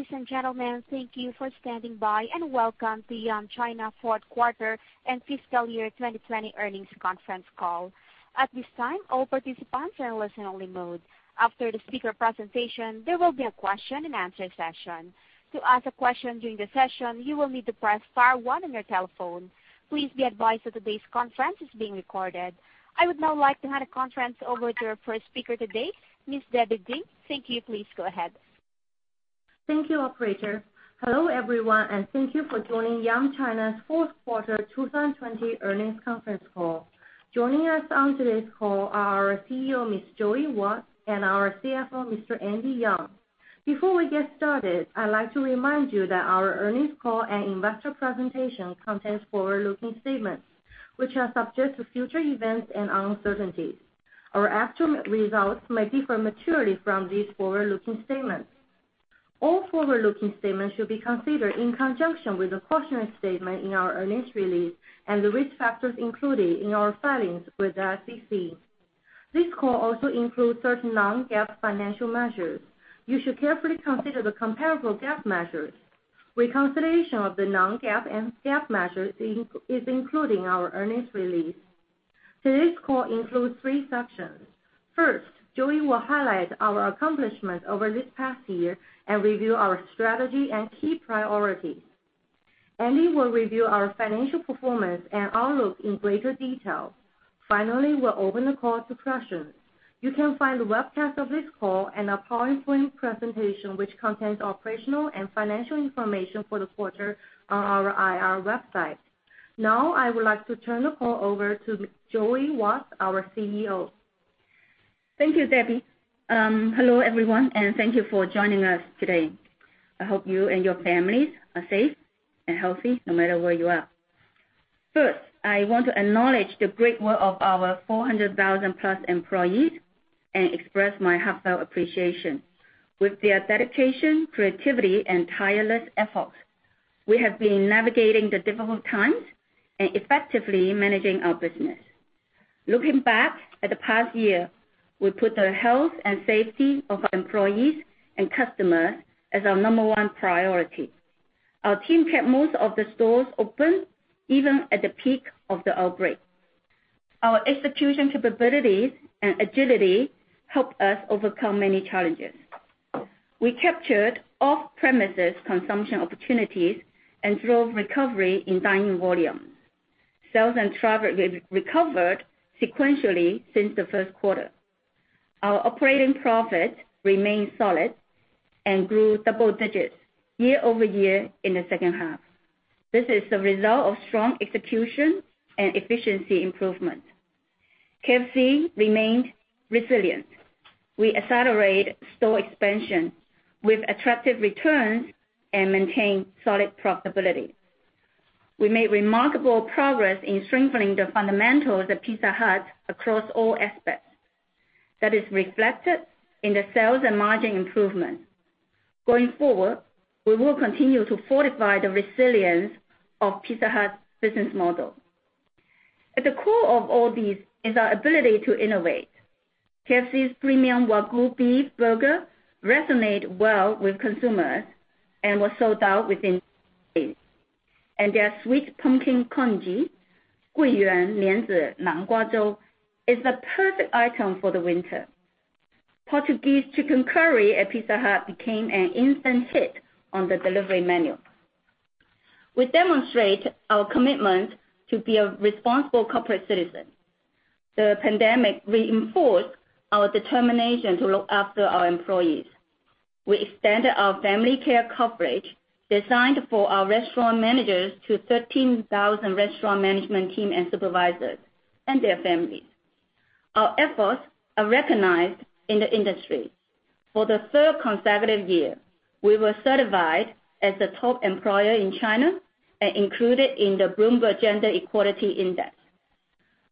Ladies and gentlemen, thank you for standing by, and welcome to Yum China fourth quarter and fiscal year 2020 earnings conference call. At this time all participants are in a listen-only mode. After the speakers presentation there will be a question-and-answer session. To ask a question during the session you will need to press star one on your telephone. Please be advised that this conference is being recorded. I would now like to hand the conference over to our first speaker today, Ms. Debbie Ding. Thank you. Please go ahead. Thank you, operator. Hello, everyone, and thank you for joining Yum China's fourth quarter 2020 earnings conference call. Joining us on today's call are our CEO, Ms. Joey Wat, and our CFO, Mr. Andy Yeung. Before we get started, I'd like to remind you that our earnings call and investor presentation contains forward-looking statements, which are subject to future events and uncertainties. Our actual results may differ materially from these forward-looking statements. All forward-looking statements should be considered in conjunction with the cautionary statement in our earnings release and the risk factors included in our filings with the SEC. This call also includes certain non-GAAP financial measures. You should carefully consider the comparable GAAP measures. Reconciliation of the non-GAAP and GAAP measures is included in our earnings release. Today's call includes three sections. First, Joey will highlight our accomplishments over this past year and review our strategy and key priorities. Andy will review our financial performance and outlook in greater detail. Finally, we'll open the call to questions. You can find the webcast of this call and our PowerPoint presentation, which contains operational and financial information for the quarter on our IR website. Now, I would like to turn the call over to Joey Wat, our CEO. Thank you, Debbie. Hello, everyone, and thank you for joining us today. I hope you and your families are safe and healthy no matter where you are. First, I want to acknowledge the great work of our 400,000+ employees and express my heartfelt appreciation. With their dedication, creativity, and tireless efforts, we have been navigating the difficult times and effectively managing our business. Looking back at the past year, we put the health and safety of our employees and customers as our number one priority. Our team kept most of the stores open, even at the peak of the outbreak. Our execution capabilities and agility helped us overcome many challenges. We captured off-premises consumption opportunities and drove recovery in dine-in volume. Sales and traffic recovered sequentially since the first quarter. Our operating profit remained solid and grew double digits year-over-year in the second half. This is the result of strong execution and efficiency improvement. KFC remained resilient. We accelerate store expansion with attractive returns and maintain solid profitability. We made remarkable progress in strengthening the fundamentals of Pizza Hut across all aspects. That is reflected in the sales and margin improvement. Going forward, we will continue to fortify the resilience of Pizza Hut's business model. At the core of all these is our ability to innovate. KFC's premium Wagyu beef burger resonate well with consumers and was sold out within days. Their sweet pumpkin congee, is the perfect item for the winter. Portuguese chicken curry at Pizza Hut became an instant hit on the delivery menu. We demonstrate our commitment to be a responsible corporate citizen. The pandemic reinforced our determination to look after our employees. We extended our family care coverage designed for our restaurant managers to 13,000 restaurant management team and supervisors and their families. Our efforts are recognized in the industry. For the third consecutive year, we were certified as the top employer in China and included in the Bloomberg Gender-Equality Index.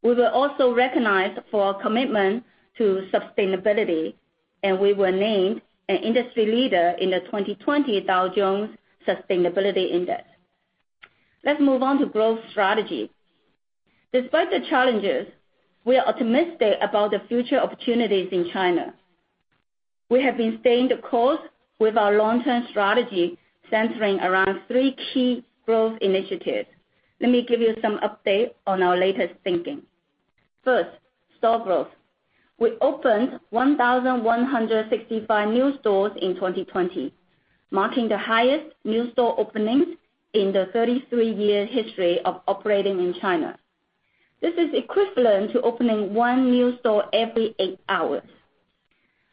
We were also recognized for our commitment to sustainability, and we were named an industry leader in the 2020 Dow Jones Sustainability Index. Let's move on to growth strategy. Despite the challenges, we are optimistic about the future opportunities in China. We have been staying the course with our long-term strategy centering around three key growth initiatives. Let me give you some update on our latest thinking. First, store growth. We opened 1,165 new stores in 2020, marking the highest new store openings in the 33-year history of operating in China. This is equivalent to opening one new store every eight hours.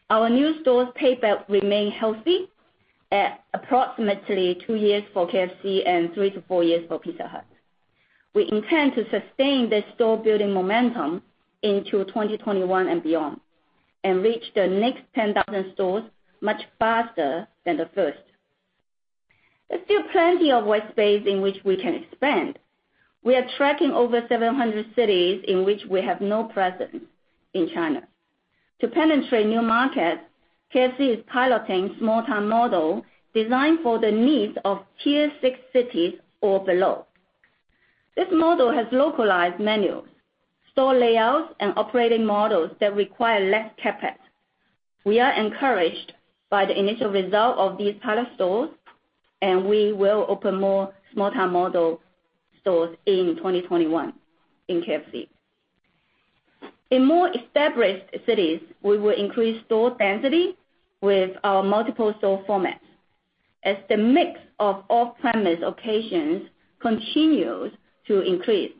Our new stores' payback remain healthy at approximately two years for KFC and three to four years for Pizza Hut. We intend to sustain this store-building momentum into 2021 and beyond, and reach the next 10,000 stores much faster than the first. There's still plenty of white space in which we can expand. We are tracking over 700 cities in which we have no presence in China. To penetrate new markets, KFC is piloting small town model designed for the needs of Tier 6 cities or below. This model has localized menus, store layouts, and operating models that require less CapEx. We are encouraged by the initial result of these pilot stores, and we will open more small-town model stores in 2021 in KFC. In more established cities, we will increase store density with our multiple store formats. As the mix of off-premise occasions continues to increase,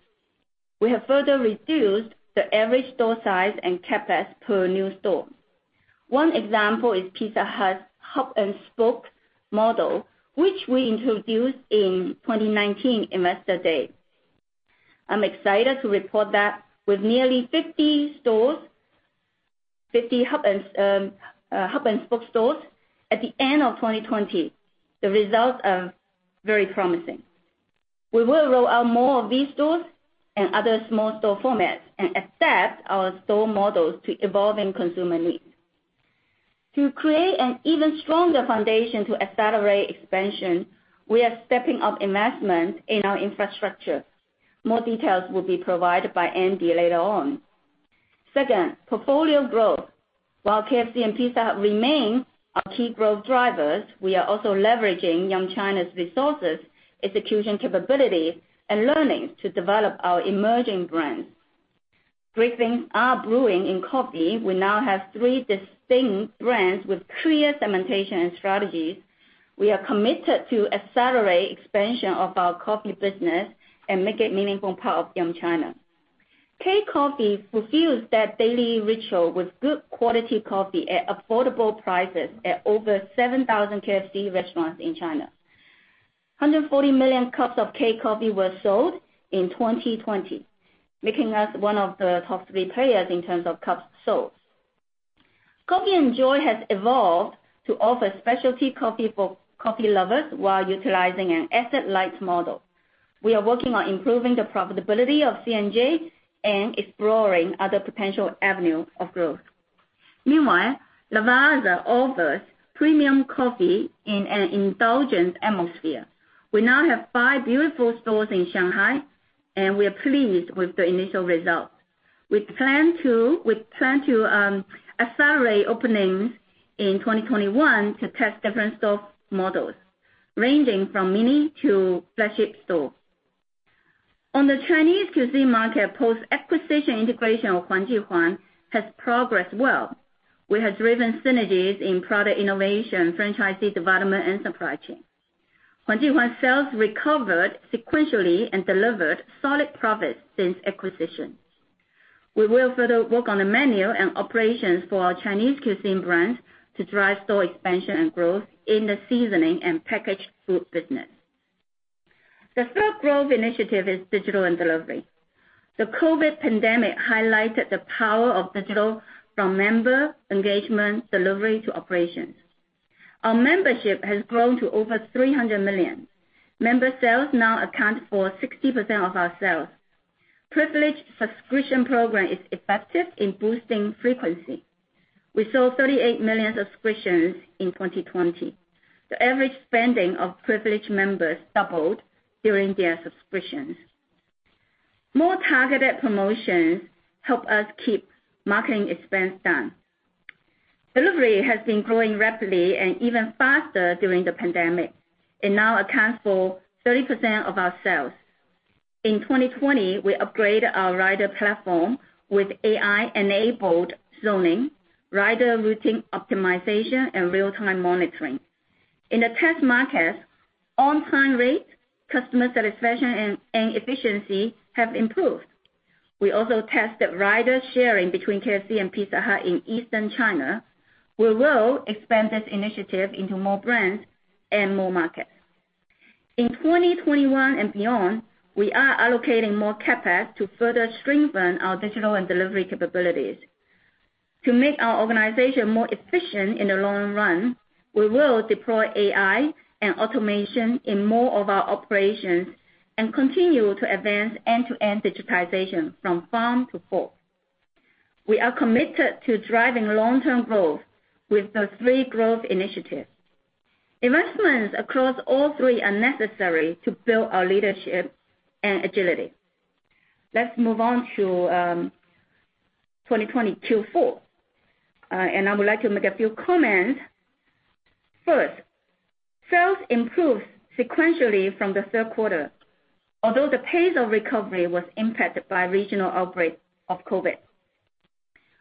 we have further reduced the average store size and CapEx per new store. One example is Pizza Hut's hub-and-spoke model, which we introduced in 2019 Investor Day. I'm excited to report that with nearly 50 hub-and-spoke stores at the end of 2020, the results are very promising. We will roll out more of these stores and other small store formats and adapt our store models to evolving consumer needs. To create an even stronger foundation to accelerate expansion, we are stepping up investment in our infrastructure. More details will be provided by Andy later on. Second, portfolio growth. While KFC and Pizza Hut remain our key growth drivers, we are also leveraging Yum China's resources, execution capability, and learnings to develop our emerging brands. Great things are brewing in coffee. We now have three distinct brands with clear segmentation and strategies. We are committed to accelerate expansion of our coffee business and make it a meaningful part of Yum China. KCOFFEE fulfills that daily ritual with good quality coffee at affordable prices at over 7,000 KFC restaurants in China. 140 million cups of KCOFFEE were sold in 2020, making us one of the top three players in terms of cups sold. COFFii & JOY has evolved to offer specialty coffee for coffee lovers while utilizing an asset-light model. We are working on improving the profitability of C&J and exploring other potential avenues of growth. Meanwhile, Lavazza offers premium coffee in an indulgent atmosphere. We now have five beautiful stores in Shanghai, and we are pleased with the initial results. We plan to accelerate openings in 2021 to test different store models, ranging from mini to flagship stores. On the Chinese cuisine market, post-acquisition integration of Huang Ji Huang has progressed well. We have driven synergies in product innovation, franchisee development, and supply chain. Huang Ji Huang sales recovered sequentially and delivered solid profits since acquisition. We will further work on the menu and operations for our Chinese cuisine brands to drive store expansion and growth in the seasoning and packaged food business. The third growth initiative is digital and delivery. The COVID pandemic highlighted the power of digital from member engagement, delivery to operations. Our membership has grown to over 300 million. Member sales now account for 60% of our sales. Privileged subscription program is effective in boosting frequency. We sold 38 million subscriptions in 2020. The average spending of privileged members doubled during their subscriptions. More targeted promotions help us keep marketing expense down. Delivery has been growing rapidly and even faster during the pandemic and now accounts for 30% of our sales. In 2020, we upgraded our rider platform with AI-enabled zoning, rider routing optimization, and real-time monitoring. In the test markets, on-time rate, customer satisfaction, and efficiency have improved. We also tested rider sharing between KFC and Pizza Hut in Eastern China. We will expand this initiative into more brands and more markets. In 2021 and beyond, we are allocating more CapEx to further strengthen our digital and delivery capabilities. To make our organization more efficient in the long run, we will deploy AI and automation in more of our operations and continue to advance end-to-end digitization from farm to fork. We are committed to driving long-term growth with the three growth initiatives. Investments across all three are necessary to build our leadership and agility. Let's move on to 2020 Q4. I would like to make a few comments. First, sales improved sequentially from the third quarter, although the pace of recovery was impacted by regional outbreaks of COVID.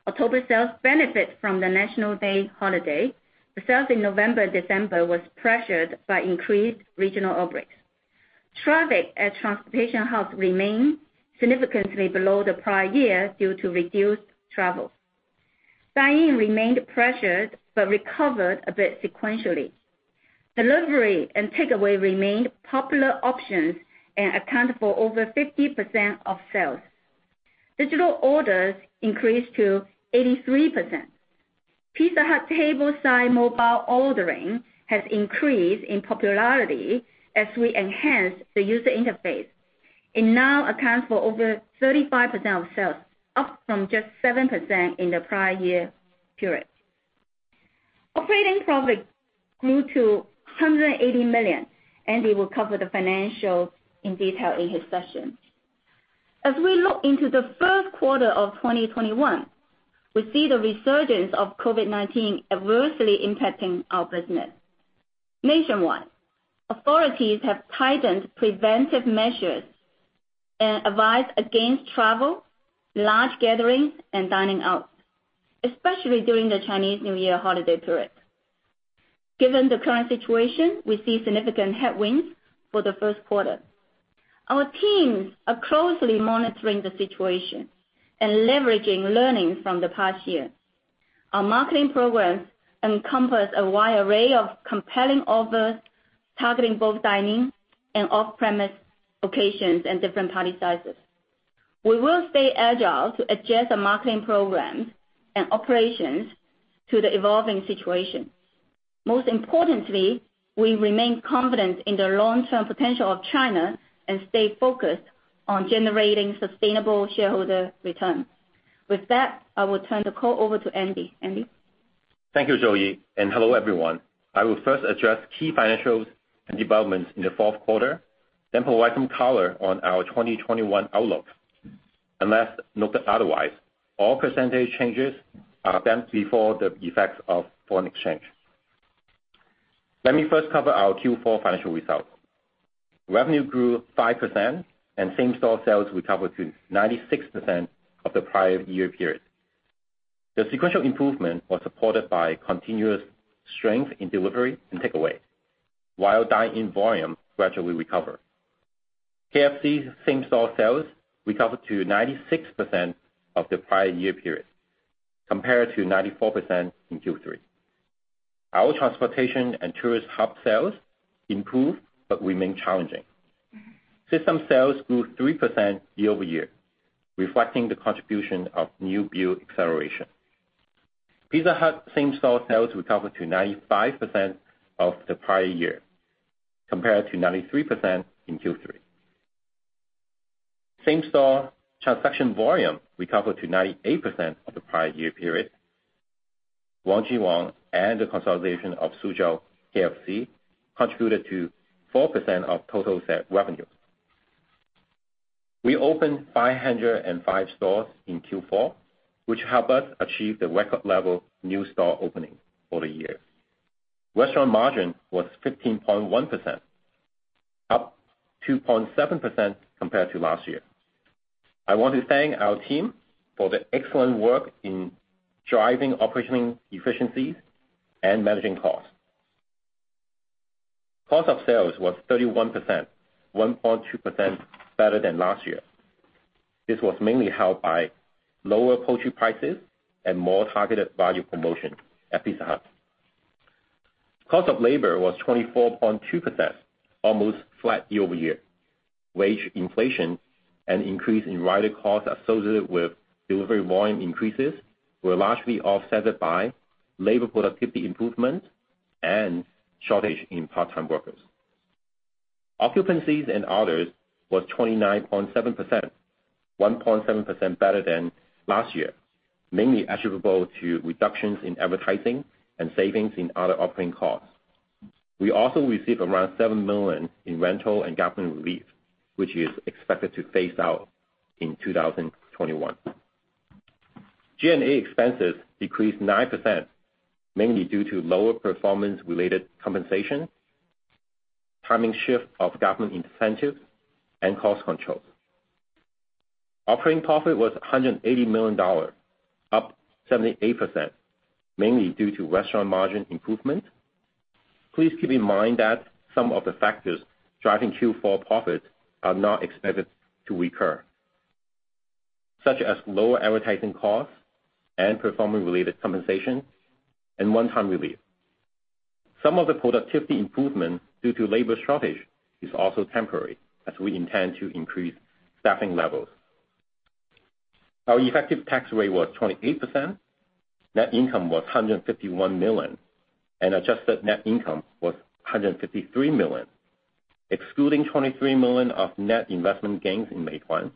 October sales benefit from the National Day holiday, sales in November, December was pressured by increased regional outbreaks. Traffic at transportation hubs remained significantly below the prior year due to reduced travel. Dine-in remained pressured, recovered a bit sequentially. Delivery and takeaway remained popular options and account for over 50% of sales. Digital orders increased to 83%. Pizza Hut tableside mobile ordering has increased in popularity as we enhanced the user interface. It now accounts for over 35% of sales, up from just 7% in the prior year period. Operating profit grew to $180 million. Andy will cover the financial in detail in his session. As we look into the first quarter of 2021, we see the resurgence of COVID-19 adversely impacting our business. Nationwide, authorities have tightened preventive measures and advise against travel, large gatherings, and dining out, especially during the Chinese New Year holiday period. Given the current situation, we see significant headwinds for the first quarter. Our teams are closely monitoring the situation and leveraging learnings from the past year. Our marketing programs encompass a wide array of compelling offers, targeting both dining and off-premise occasions and different party sizes. We will stay agile to adjust our marketing programs and operations to the evolving situation. Most importantly, we remain confident in the long-term potential of China and stay focused on generating sustainable shareholder returns. With that, I will turn the call over to Andy. Andy? Thank you, Joey, and hello, everyone. I will first address key financials and developments in the fourth quarter, then provide some color on our 2021 outlook. Unless noted otherwise, all percentage changes are done before the effects of foreign exchange. Let me first cover our Q4 financial results. Revenue grew 5%, and same-store sales recovered to 96% of the prior year period. The sequential improvement was supported by continuous strength in delivery and takeaway, while dine-in volume gradually recovered. KFC same-store sales recovered to 96% of the prior year period, compared to 94% in Q3. Our transportation and tourist hub sales improved but remain challenging. System sales grew 3% year-over-year, reflecting the contribution of new build acceleration. Pizza Hut same-store sales recovered to 95% of the prior year, compared to 93% in Q3. Same-store transaction volume recovered to 98% of the prior year period. Huang Ji Huang and the consolidation of Suzhou KFC contributed to 4% of total revenue. We opened 505 stores in Q4, which helped us achieve the record level new store opening for the year. Restaurant margin was 15.1%, up 2.7% compared to last year. I want to thank our team for the excellent work in driving operational efficiencies and managing costs. Cost of sales was 31%, 1.2% better than last year. This was mainly helped by lower poultry prices and more targeted value promotion at Pizza Hut. Cost of labor was 24.2%, almost flat year-over-year. Wage inflation and increase in rider costs associated with delivery volume increases were largely offset by labor productivity improvement and shortage in part-time workers. Occupancies and others was 29.7%, 1.7% better than last year, mainly attributable to reductions in advertising and savings in other operating costs. We also received around $7 million in rental and government relief, which is expected to phase out in 2021. G&A expenses decreased 9%, mainly due to lower performance-related compensation, timing shift of government incentives, and cost control. Operating profit was $180 million, up 78%, mainly due to restaurant margin improvement. Please keep in mind that some of the factors driving Q4 profit are not expected to recur, such as lower advertising costs and performance-related compensation and one-time relief. Some of the productivity improvement due to labor shortage is also temporary, as we intend to increase staffing levels. Our effective tax rate was 28%. Net income was $151 million. Adjusted net income was $153 million. Excluding $23 million of net investment gains in Meituan,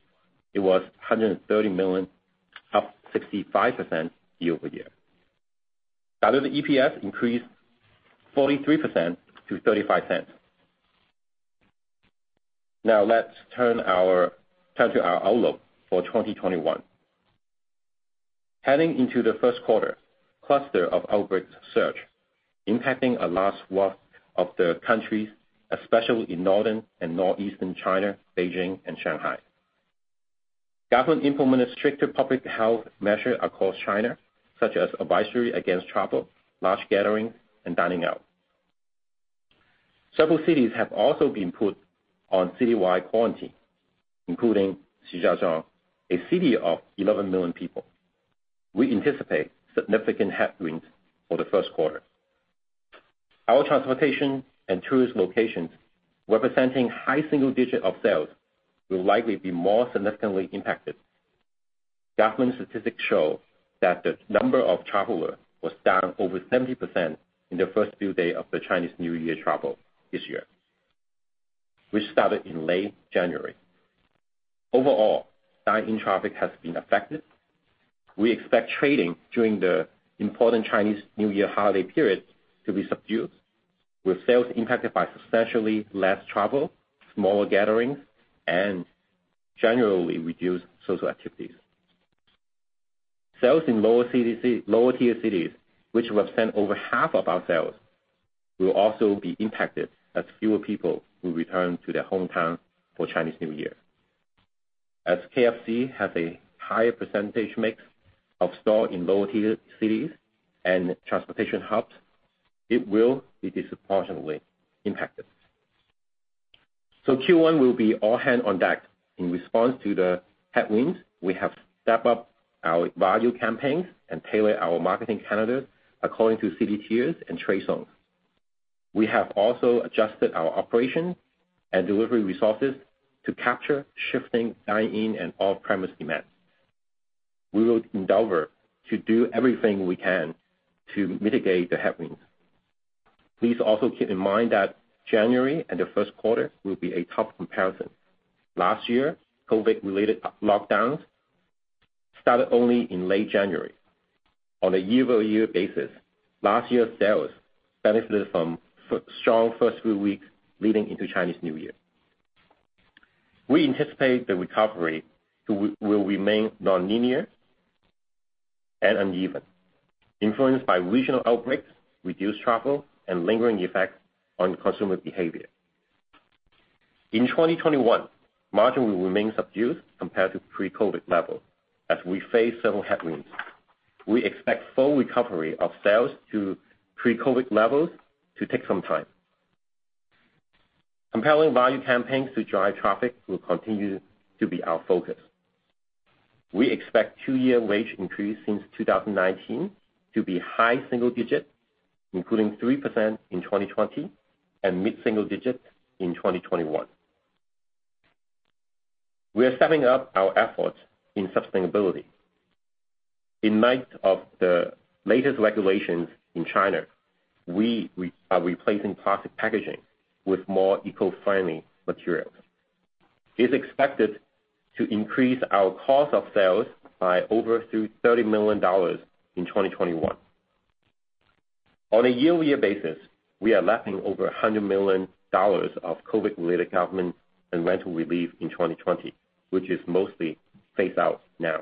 it was $130 million, up 65% year-over-year. Diluted EPS increased 43% to $0.35. Let's turn to our outlook for 2021. Heading into the first quarter, cluster of outbreaks surged, impacting a large swath of the country, especially in Northern and Northeastern China, Beijing and Shanghai. Government implemented stricter public health measures across China, such as advisory against travel, large gatherings, and dining out. Several cities have also been put on citywide quarantine, including Shijiazhuang, a city of 11 million people. We anticipate significant headwinds for the first quarter. Our transportation and tourist locations, representing high single digit of sales, will likely be more significantly impacted. Government statistics show that the number of travelers was down over 70% in the first few days of the Chinese New Year travel this year, which started in late January. Overall, dine-in traffic has been affected. We expect trading during the important Chinese New Year holiday period to be subdued, with sales impacted by substantially less travel, smaller gatherings, and generally reduced social activities. Sales in lower-tier cities, which represent over half of our sales, will also be impacted as fewer people will return to their hometown for Chinese New Year. As KFC has a higher percentage mix of store in lower-tier cities and transportation hubs, it will be disproportionately impacted. Q1 will be all hands on deck. In response to the headwinds, we have stepped up our value campaigns and tailor our marketing calendar according to city tiers and trade zones. We have also adjusted our operation and delivery resources to capture shifting dine-in and off-premise demands. We will endeavor to do everything we can to mitigate the headwinds. Please also keep in mind that January and the first quarter will be a tough comparison. Last year, COVID-related lockdowns started only in late January. On a year-over-year basis, last year's sales benefited from strong first few weeks leading into Chinese New Year. We anticipate the recovery will remain nonlinear and uneven, influenced by regional outbreaks, reduced travel, and lingering effects on consumer behavior. In 2021, margin will remain subdued compared to pre-COVID-19 levels, as we face several headwinds. We expect full recovery of sales to pre-COVID-19 levels to take some time. Compelling value campaigns to drive traffic will continue to be our focus. We expect two-year wage increase since 2019 to be high single digits, including 3% in 2020 and mid-single digits in 2021. We are stepping up our efforts in sustainability. In light of the latest regulations in China, we are replacing plastic packaging with more eco-friendly materials. It's expected to increase our cost of sales by over $30 million in 2021. On a year-over-year basis, we are lapping over $100 million of COVID-19-related government and rental relief in 2020, which is mostly phased out now.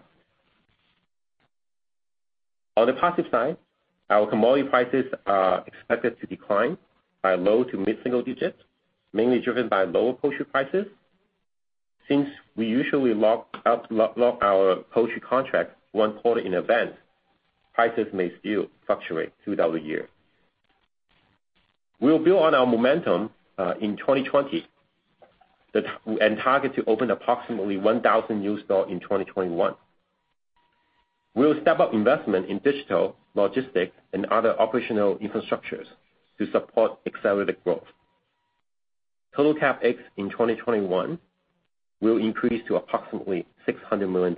On the positive side, our commodity prices are expected to decline by low to mid-single digits, mainly driven by lower poultry prices. Since we usually lock our poultry contract one quarter in advance, prices may still fluctuate throughout the year. We will build on our momentum in 2020, and target to open approximately 1,000 new stores in 2021. We'll step up investment in digital, logistics, and other operational infrastructures to support accelerated growth. Total CapEx in 2021 will increase to approximately $600 million.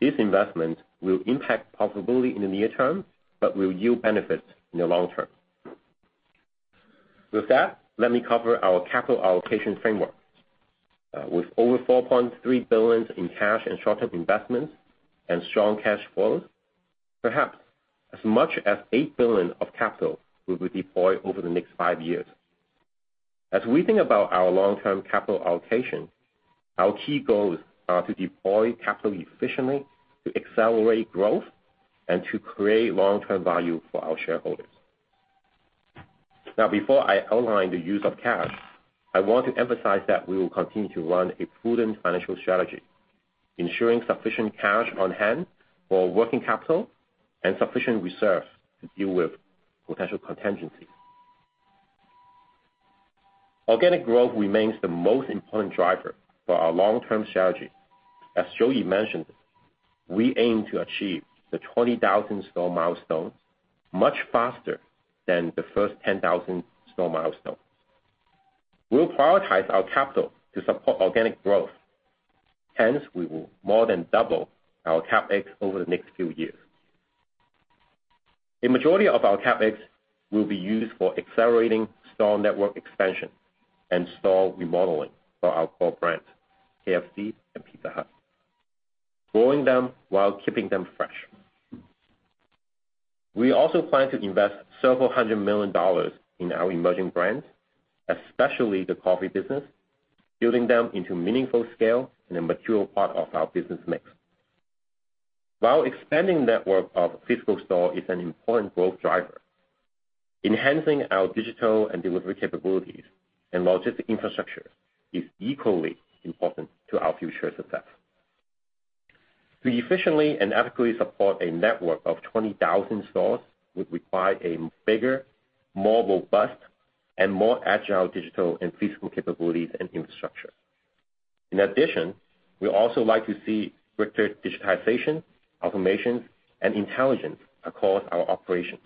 This investment will impact profitability in the near term but will yield benefits in the long term. With that, let me cover our capital allocation framework. With over $4.3 billion in cash and short-term investments and strong cash flow, perhaps as much as $8 billion of capital will be deployed over the next five years. As we think about our long-term capital allocation, our key goals are to deploy capital efficiently, to accelerate growth, and to create long-term value for our shareholders. Before I outline the use of cash, I want to emphasize that we will continue to run a prudent financial strategy, ensuring sufficient cash on hand for working capital and sufficient reserves to deal with potential contingencies. Organic growth remains the most important driver for our long-term strategy. As Joey mentioned, we aim to achieve the 20,000 store milestone much faster than the first 10,000 store milestone. We will prioritize our capital to support organic growth. Hence, we will more than double our CapEx over the next few years. A majority of our CapEx will be used for accelerating store network expansion and store remodeling for our core brands, KFC and Pizza Hut, growing them while keeping them fresh. We also plan to invest several hundred million dollars in our emerging brands, especially the coffee business, building them into meaningful scale and a mature part of our business mix. While expanding network of physical store is an important growth driver, enhancing our digital and delivery capabilities and logistic infrastructure is equally important to our future success. To efficiently and adequately support a network of 20,000 stores would require a bigger, more robust, and more agile digital and physical capabilities and infrastructure. In addition, we also like to see quicker digitization, automation, and intelligence across our operations.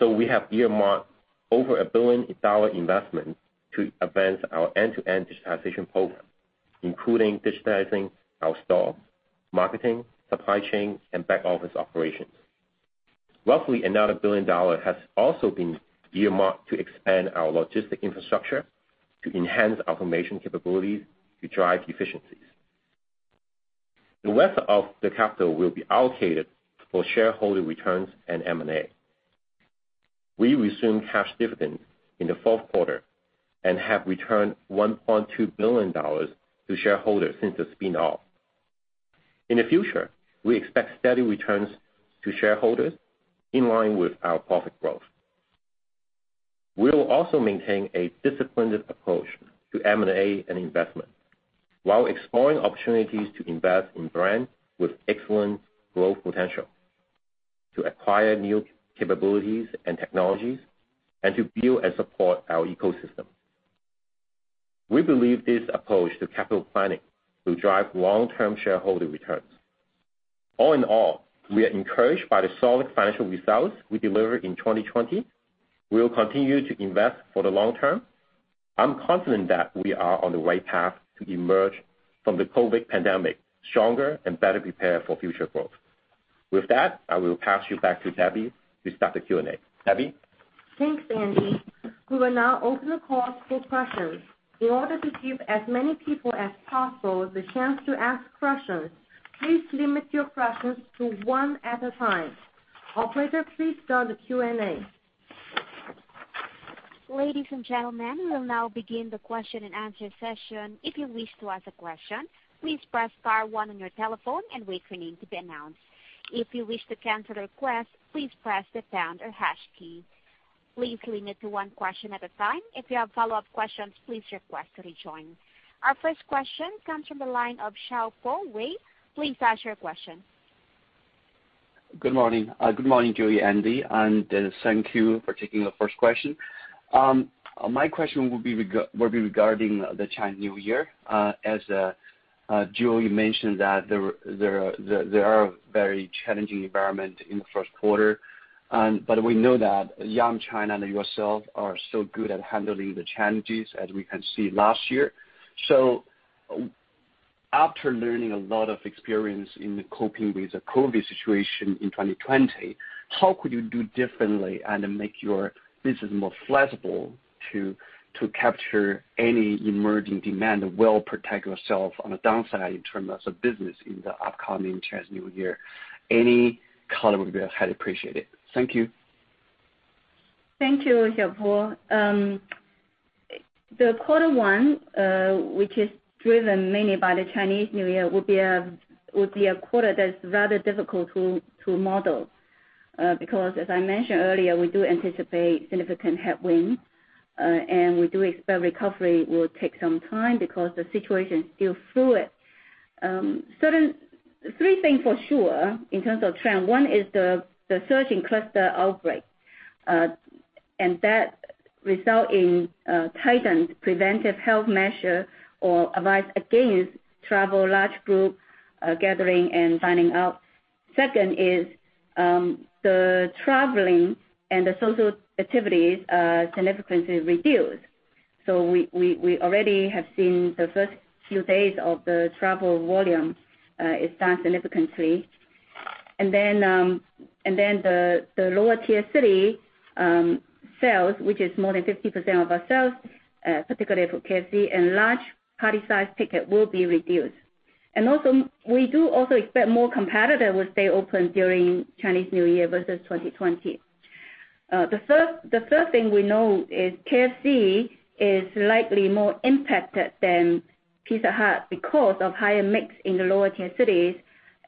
We have earmarked over a billion dollar investment to advance our end-to-end digitization program, including digitizing our stores, marketing, supply chain, and back-office operations. Roughly another billion dollar has also been earmarked to expand our logistic infrastructure to enhance automation capabilities to drive efficiencies. The rest of the capital will be allocated for shareholder returns and M&A. We resumed cash dividends in the fourth quarter and have returned $1.2 billion to shareholders since the spin-off. In the future, we expect steady returns to shareholders in line with our profit growth. We will also maintain a disciplined approach to M&A and investment while exploring opportunities to invest in brands with excellent growth potential, to acquire new capabilities and technologies, and to build and support our ecosystem. We believe this approach to capital planning will drive long-term shareholder returns. All in all, we are encouraged by the solid financial results we delivered in 2020. We will continue to invest for the long term. I'm confident that we are on the right path to emerge from the COVID pandemic stronger and better prepared for future growth. With that, I will pass you back to Debbie to start the Q&A. Debbie? Thanks, Andy. We will now open the call for questions. In order to give as many people as possible the chance to ask questions, please limit your questions to one at a time. Operator, please start the Q&A. Ladies and gentlemen, we will now begin the question-and-answer session. If you wish to ask a question, please press star one on your telephone and wait for your name to be announced. If you wish to cancel the request, please press the pound or hash key. Please limit to one question at a time. If you have follow-up questions, please request to rejoin. Our first question comes from the line of Xiaopo Wei. Please ask your question. Good morning. Good morning, Joey, Andy. Thank you for taking the first question. My question would be regarding the Chinese New Year. As Joey mentioned that there are very challenging environment in the first quarter. We know that Yum China and yourself are so good at handling the challenges as we can see last year. After learning a lot of experience in coping with the COVID situation in 2020, how could you do differently and make your business more flexible to capture any emerging demand and well protect yourself on the downside in terms of business in the upcoming Chinese New Year? Any color would be highly appreciated. Thank you. Thank you, Xiaopo. The quarter one, which is driven mainly by the Chinese New Year, would be a quarter that's rather difficult to model. As I mentioned earlier, we do anticipate significant headwinds, and we do expect recovery will take some time because the situation is still fluid. Three things for sure in terms of trend. One is the surging cluster outbreak, and that result in tightened preventive health measure or advice against travel, large group gathering, and dining out. Second is the traveling and the social activities significantly reduced. We already have seen the first few days of the travel volume is down significantly. The lower tier city sales, which is more than 50% of our sales, particularly for KFC and large party size ticket, will be reduced. Also, we do also expect more competitor will stay open during Chinese New Year versus 2020. The third thing we know is KFC is likely more impacted than Pizza Hut because of higher mix in the lower tier cities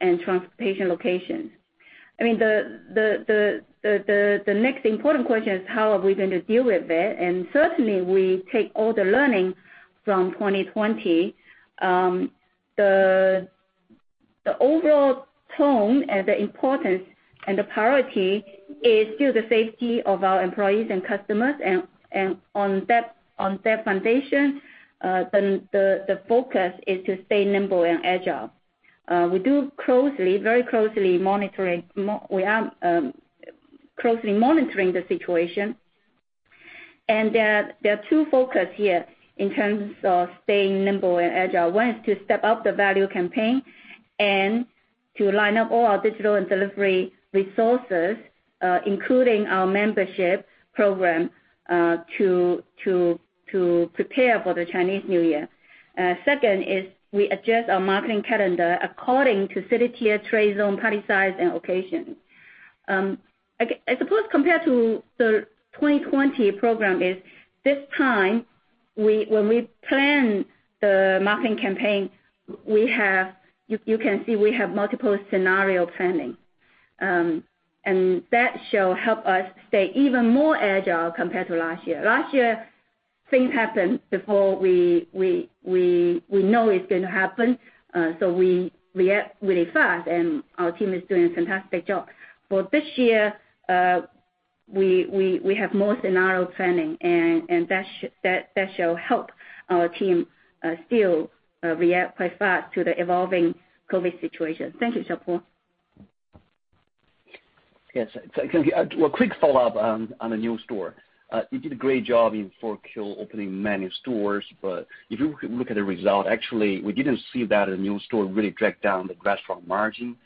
and transportation locations. The next important question is how are we going to deal with it? Certainly, we take all the learning from 2020. The overall tone and the importance and the priority is still the safety of our employees and customers, and on that foundation, the focus is to stay nimble and agile. We are closely monitoring the situation, and there are two focus here in terms of staying nimble and agile. One is to step up the value campaign and to line up all our digital and delivery resources, including our membership program, to prepare for the Chinese New Year. Second is we adjust our marketing calendar according to city tier, trade zone, party size, and location. I suppose compared to the 2020 program is this time, when we plan the marketing campaign, you can see we have multiple scenario planning. That shall help us stay even more agile compared to last year. Last year, things happened before we know it's going to happen. We react really fast, and our team is doing a fantastic job. For this year, we have more scenario planning, and that shall help our team still react quite fast to the evolving COVID situation. Thank you, Xiaopo. Yes. A quick follow-up on the new store. You did a great job in 4Q opening many stores, but if you look at the result, actually, we didn't see that the new store really dragged down the restaurant margin.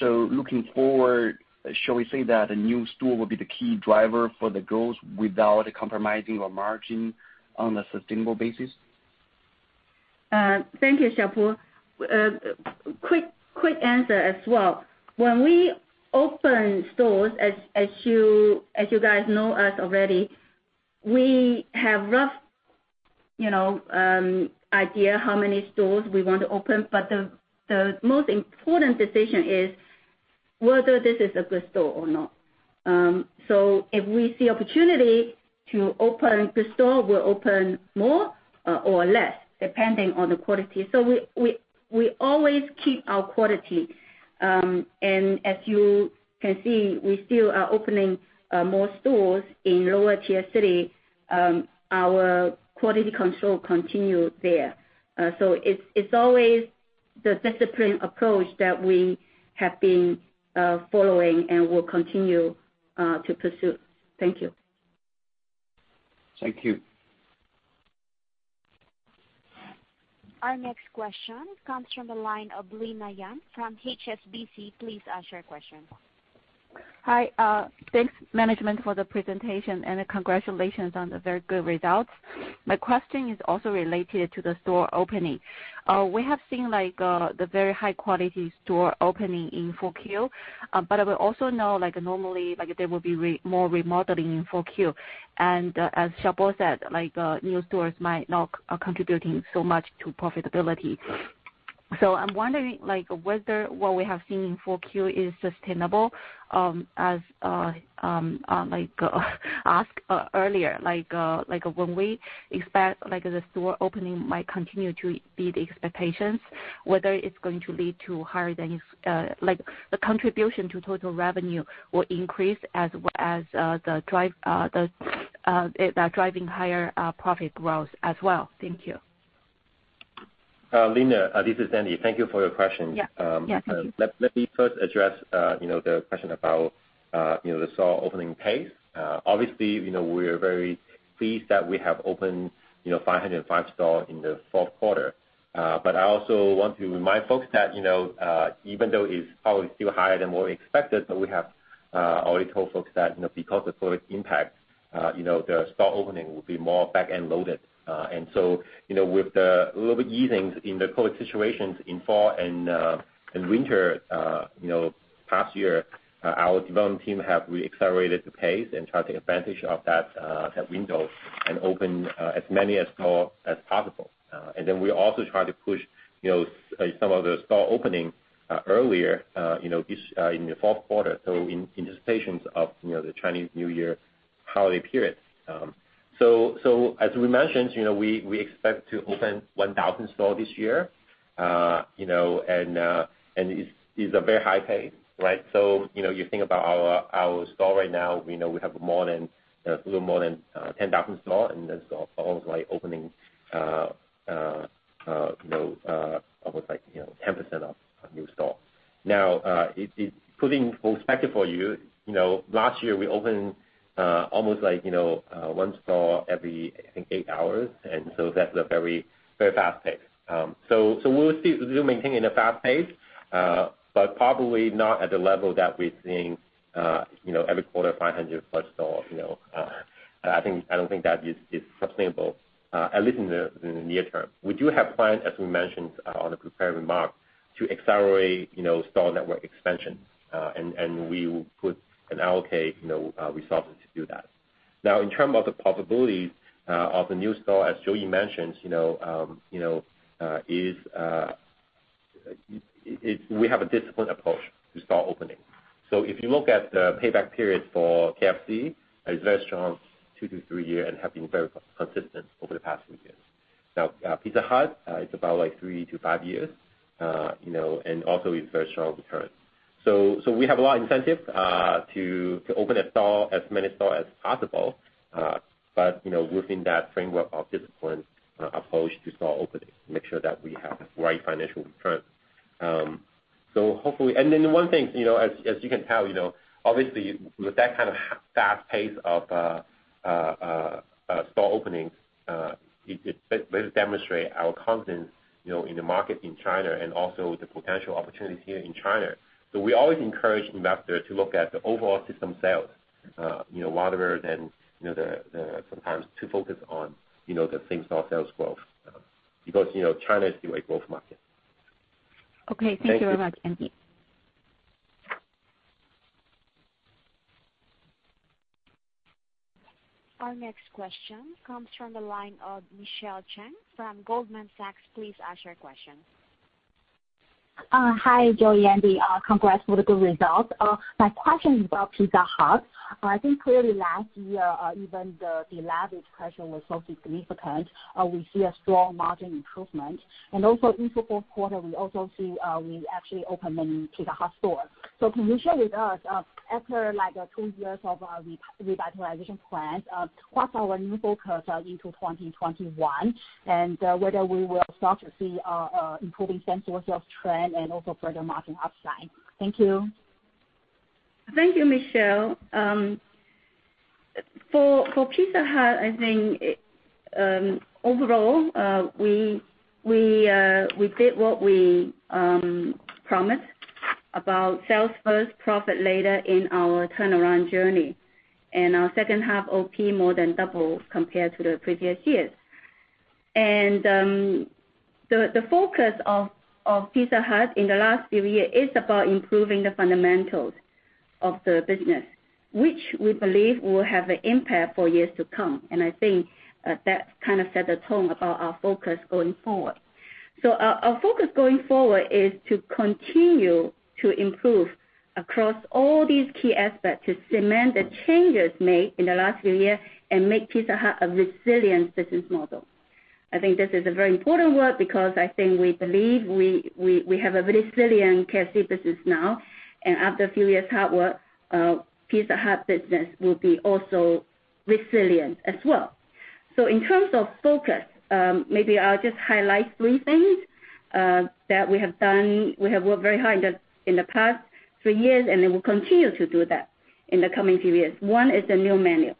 Looking forward, shall we say that a new store will be the key driver for the growth without compromising our margin on a sustainable basis? Thank you, Xiaopo. Quick answer as well. When we open stores, as you guys know us already, we have rough idea how many stores we want to open, but the most important decision is whether this is a good store or not. If we see opportunity to open the store, we'll open more or less depending on the quality. We always keep our quality. As you can see, we still are opening more stores in lower-tier city. Our quality control continue there. It's always the discipline approach that we have been following and will continue to pursue. Thank you. Thank you. Our next question comes from the line of Lina Yan from HSBC. Please ask your question. Hi. Thanks management for the presentation, and congratulations on the very good results. My question is also related to the store opening. We have seen the very high-quality store opening in 4Q. I will also know, normally, there will be more remodeling in 4Q, and as Xiaopo said, new stores might not contributing so much to profitability. I'm wondering whether what we have seen in 4Q is sustainable, as asked earlier, when we expect the store opening might continue to beat expectations, whether it's going to lead to higher than The contribution to total revenue will increase as the driving higher profit growth as well? Thank you. Lina, this is Andy. Thank you for your question. Yeah. Thank you. Let me first address the question about the store opening pace. Obviously, we are very pleased that we have opened 505 stores in the fourth quarter. I also want to remind folks that even though it's probably still higher than what we expected, but we have already told folks that because of COVID impact, the store opening will be more back-end loaded. With the little bit easings in the COVID situations in fall and winter, past year, our development team have re-accelerated the pace and tried to take advantage of that window and open as many a store as possible. We also try to push some of the store opening earlier in the fourth quarter, in anticipation of the Chinese New Year holiday period. As we mentioned, we expect to open 1,000 stores this year, and it's a very high pace, right? You think about our store right now, we know we have a little more than 10,000 stores, and then stores are also opening almost 10% of new stores. It's putting perspective for you. Last year, we opened almost one store every, I think, eight hours, and so that's a very fast pace. We'll see. We'll maintain a fast pace, but probably not at the level that we're seeing every quarter, 500+ stores. I don't think that is sustainable, at least in the near term. We do have plans, as we mentioned on the prepared remarks, to accelerate store network expansion. We will put and allocate resources to do that. In term of the probabilities of the new store, as Joey mentioned, we have a disciplined approach to store opening. If you look at the payback period for KFC, it's very strong, two to three year, and have been very consistent over the past few years. Pizza Hut, it's about three to five years, and also is very strong return. We have a lot of incentive to open as many stores as possible. Within that framework of disciplined approach to store openings, make sure that we have the right financial returns. The one thing, as you can tell, obviously, with that kind of fast pace of store openings, it better demonstrate our confidence in the market in China and also the potential opportunities here in China. We always encourage investors to look at the overall system sales, rather than sometimes too focused on the same-store sales growth. Because China is still a growth market. Okay. Thank you very much, Andy. Our next question comes from the line of Michelle Cheng from Goldman Sachs. Please ask your question. Hi, Joey, Andy. Congrats for the good results. My question is about Pizza Hut. I think clearly last year, even the COVID-19 pressure was so significant, we see a strong margin improvement. Also into fourth quarter, we also see we actually opened many Pizza Hut stores. Can you share with us, after two years of revitalization plans, what are our new focus into 2021, and whether we will start to see improving same-store sales trend and also further margin upside? Thank you. Thank you, Michelle. For Pizza Hut, I think overall, we did what we promised about sales first, profit later in our turnaround journey. Our second half OP more than doubled compared to the previous years. The focus of Pizza Hut in the last few years is about improving the fundamentals of the business, which we believe will have an impact for years to come. I think that set the tone about our focus going forward. Our focus going forward is to continue to improve across all these key aspects, to cement the changes made in the last few years and make Pizza Hut a resilient business model. I think this is a very important work because I think we believe we have a resilient KFC business now, and after a few years' hard work, Pizza Hut business will be also resilient as well. In terms of focus, maybe I'll just highlight three things that we have worked very hard in the past three years, we'll continue to do that in the coming few years. One is the new menu.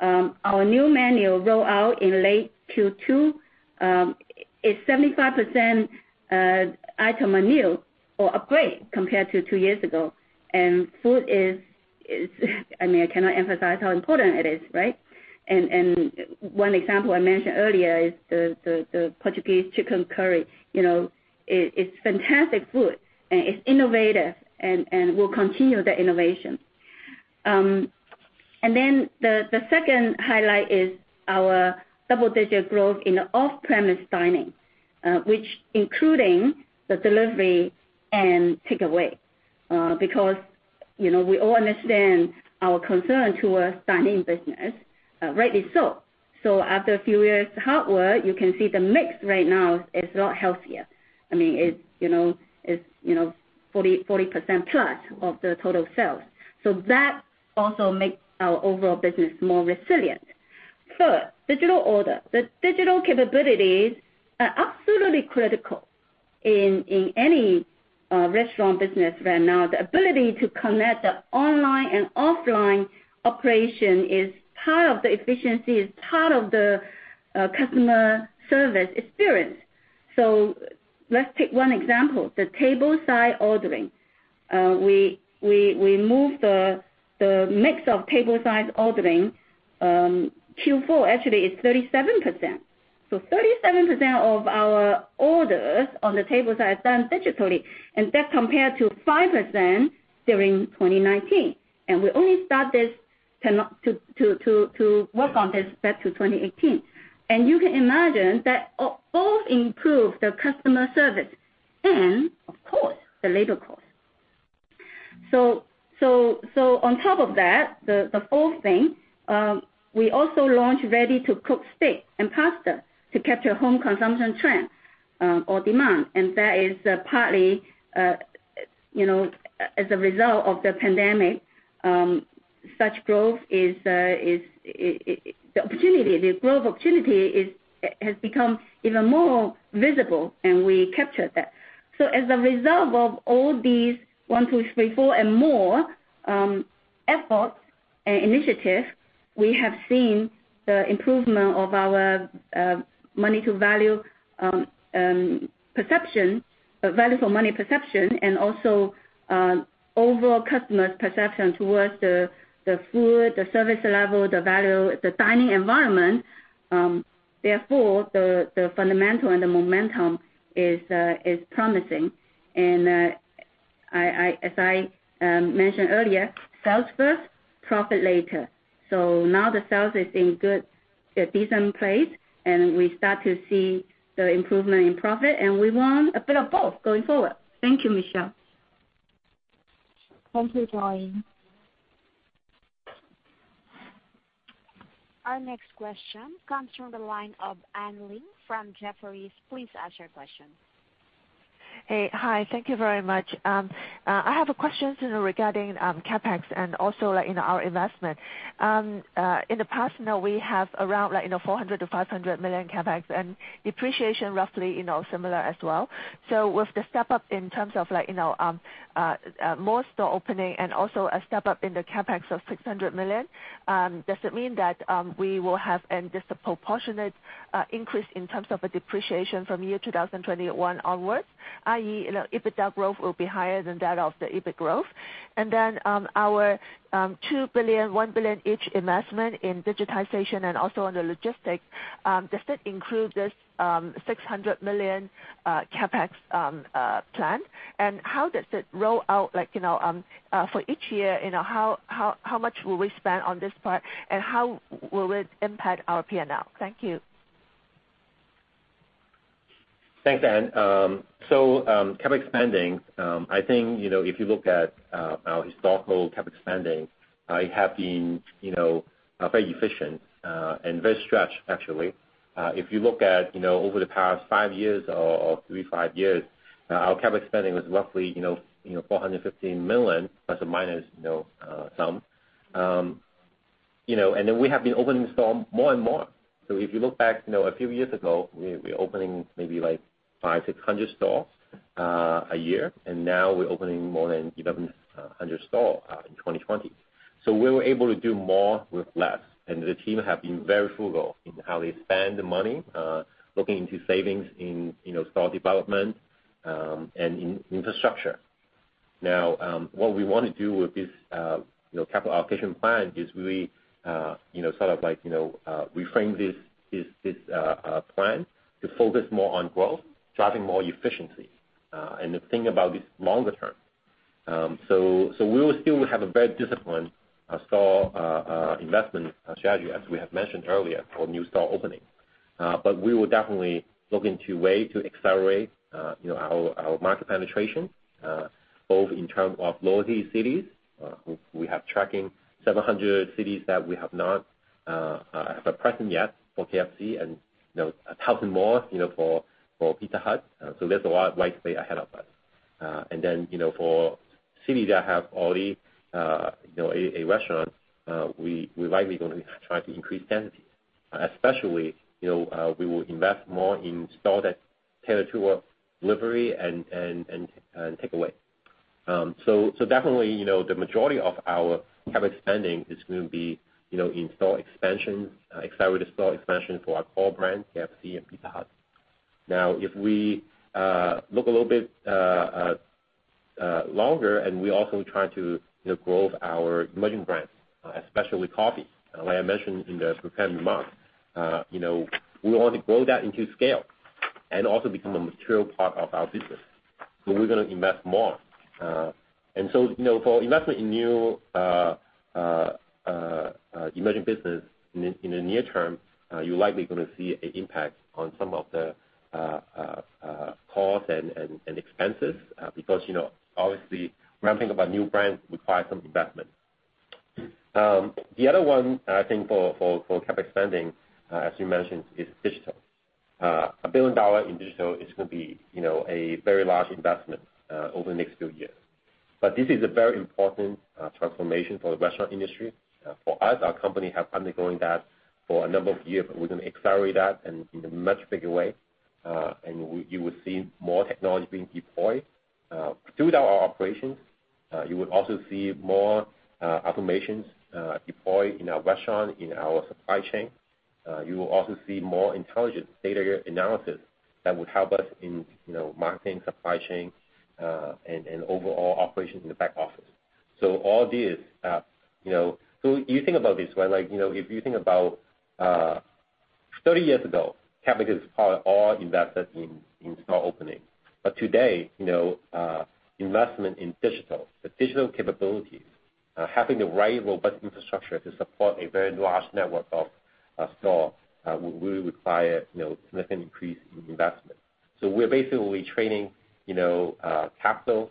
Our new menu roll out in late Q2. It's 75% item are new or upgrade compared to two years ago. Food is, I cannot emphasize how important it is, right? One example I mentioned earlier is the Portuguese chicken curry. It's fantastic food, and it's innovative, and we'll continue that innovation. The second highlight is our double-digit growth in off-premise dining, which including the delivery and takeaway. Because we all understand our concern towards dining business, rightly so. After a few years' hard work, you can see the mix right now is a lot healthier. It's 40%+ of the total sales. That also makes our overall business more resilient. Third, digital order. The digital capabilities are absolutely critical in any restaurant business right now. The ability to connect the online and offline operation is part of the efficiency, is part of the customer service experience. Let's take one example, the tableside ordering. We moved the mix of tableside ordering. Q4 actually is 37%. 37% of our orders on the tableside is done digitally, and that compared to 5% during 2019. We only start to work on this back to 2018. You can imagine that all improved the customer service and, of course, the labor cost. On top of that, the fourth thing, we also launched ready-to-cook steak and pasta to capture home consumption trends or demand, and that is partly as a result of the pandemic. The growth opportunity has become even more visible, and we captured that. As a result of all these one, two, three, four, and more efforts and initiatives, we have seen the improvement of our value for money perception, and also overall customers' perception towards the food, the service level, the value, the dining environment. Therefore, the fundamental and the momentum is promising. As I mentioned earlier, sales first, profit later. Now the sales is in a decent place, and we start to see the improvement in profit, and we want a bit of both going forward. Thank you, Michelle. Thank you, Joey. Our next question comes from the line of Anne Ling from Jefferies. Please ask your question. Thank you very much. I have a question regarding CapEx and also our investment. In the past now we have around $400 million-$500 million CapEx and depreciation roughly similar as well. With the step-up in terms of more store opening and also a step-up in the CapEx of $600 million, does it mean that we will have a disproportionate increase in terms of a depreciation from year 2021 onwards, i.e., EBITDA growth will be higher than that of the EBIT growth? Our $2 billion, $1 billion each investment in digitization and also on the logistics, does that include this $600 million CapEx plan? For each year, how much will we spend on this part, and how will it impact our P&L? Thank you. Thanks, Anne. CapEx spending, I think, if you look at our historical CapEx spending, it have been very efficient and very stretched actually. If you look at over the past five years or three, five years, our CapEx spending was roughly $450 million plus or minus some. We have been opening stores more and more. If you look back a few years ago, we were opening maybe 500, 600 stores a year, and now we're opening more than 1,100 stores in 2020. We were able to do more with less. The team have been very frugal in how they spend the money, looking into savings in store development and in infrastructure. What we want to do with this capital allocation plan is really reframe this plan to focus more on growth, driving more efficiency, and to think about this longer term. We will still have a very disciplined store investment strategy, as we have mentioned earlier, for new store opening. We will definitely look into ways to accelerate our market penetration, both in terms of lower-tier cities. We have tracking 700 cities that we have not have a presence yet for KFC and 1,000 more for Pizza Hut. There's a lot of white space ahead of us. Then, for cities that have already a restaurant, we're likely going to try to increase density. Especially, we will invest more in store that cater to delivery and take away. Definitely, the majority of our CapEx spending is going to be in store expansion, accelerated store expansion for our core brands, KFC and Pizza Hut. If we look a little bit longer and we also try to grow our emerging brands, especially coffee. Like I mentioned in the prepared remarks, we want to grow that into scale and also become a material part of our business. We're going to invest more. For investment in new emerging business in the near term, you're likely going to see an impact on some of the cost and expenses, because obviously ramping up a new brand requires some investment. The other one, I think for CapEx spending, as you mentioned, is digital. A billion dollar in digital is going to be a very large investment over the next few years. This is a very important transformation for the restaurant industry. For us, our company have undergoing that for a number of years, but we're going to accelerate that and in a much bigger way. You will see more technology being deployed throughout our operations. You will also see more automations deployed in our restaurant, in our supply chain. You will also see more intelligent data analysis that will help us in marketing, supply chain, and overall operations in the back office. All this, you think about this, right? If you think about 30 years ago, CapEx is probably all invested in store opening. Today, investment in digital, the digital capabilities, having the right robust infrastructure to support a very large network of stores will really require significant increase in investment. We're basically trading capital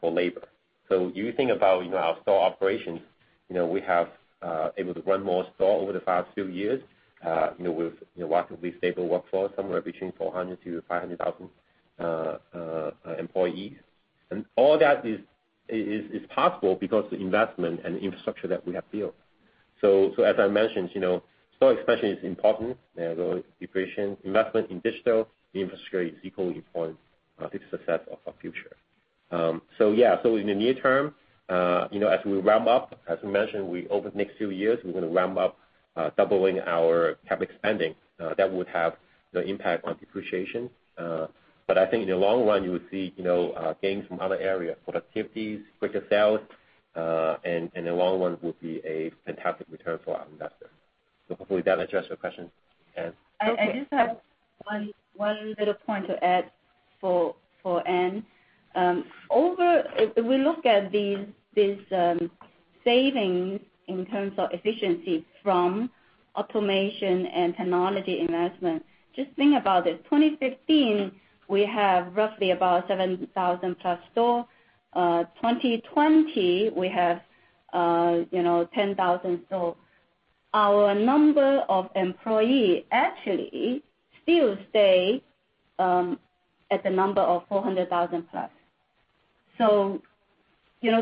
for labor. You think about our store operations, we have able to run more store over the past few years with remarkably stable workforce, somewhere between 400,000-500,000 employees. All that is possible because the investment and the infrastructure that we have built. As I mentioned, store expansion is important. The depreciation investment in digital infrastructure is equally important to the success of our future. In the near term, as we ramp up, as we mentioned, over the next few years, we're going to ramp up doubling our CapEx spending. That would have impact on depreciation. I think in the long run, you will see gains from other areas, productivities, quicker sales, and the long run would be a fantastic return for our investors. Hopefully that addressed your question, Anne. I just have one little point to add for Anne. If we look at these savings in terms of efficiency from automation and technology investment, just think about this. 2015, we have roughly about 7,000+ stores. 2020, we have 10,000 stores. Our number of employees actually still stay at the number of 400,000+.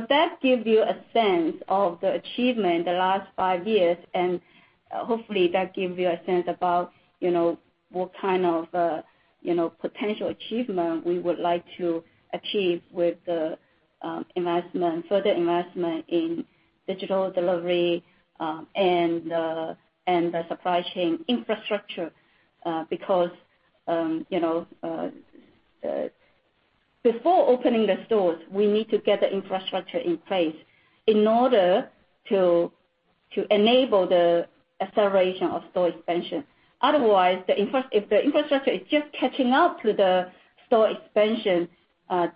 That gives you a sense of the achievement the last five years, and hopefully that gives you a sense about what kind of potential achievement we would like to achieve with the further investment in digital delivery and the supply chain infrastructure. Before opening the stores, we need to get the infrastructure in place in order to enable the acceleration of store expansion. Otherwise, if the infrastructure is just catching up to the store expansion,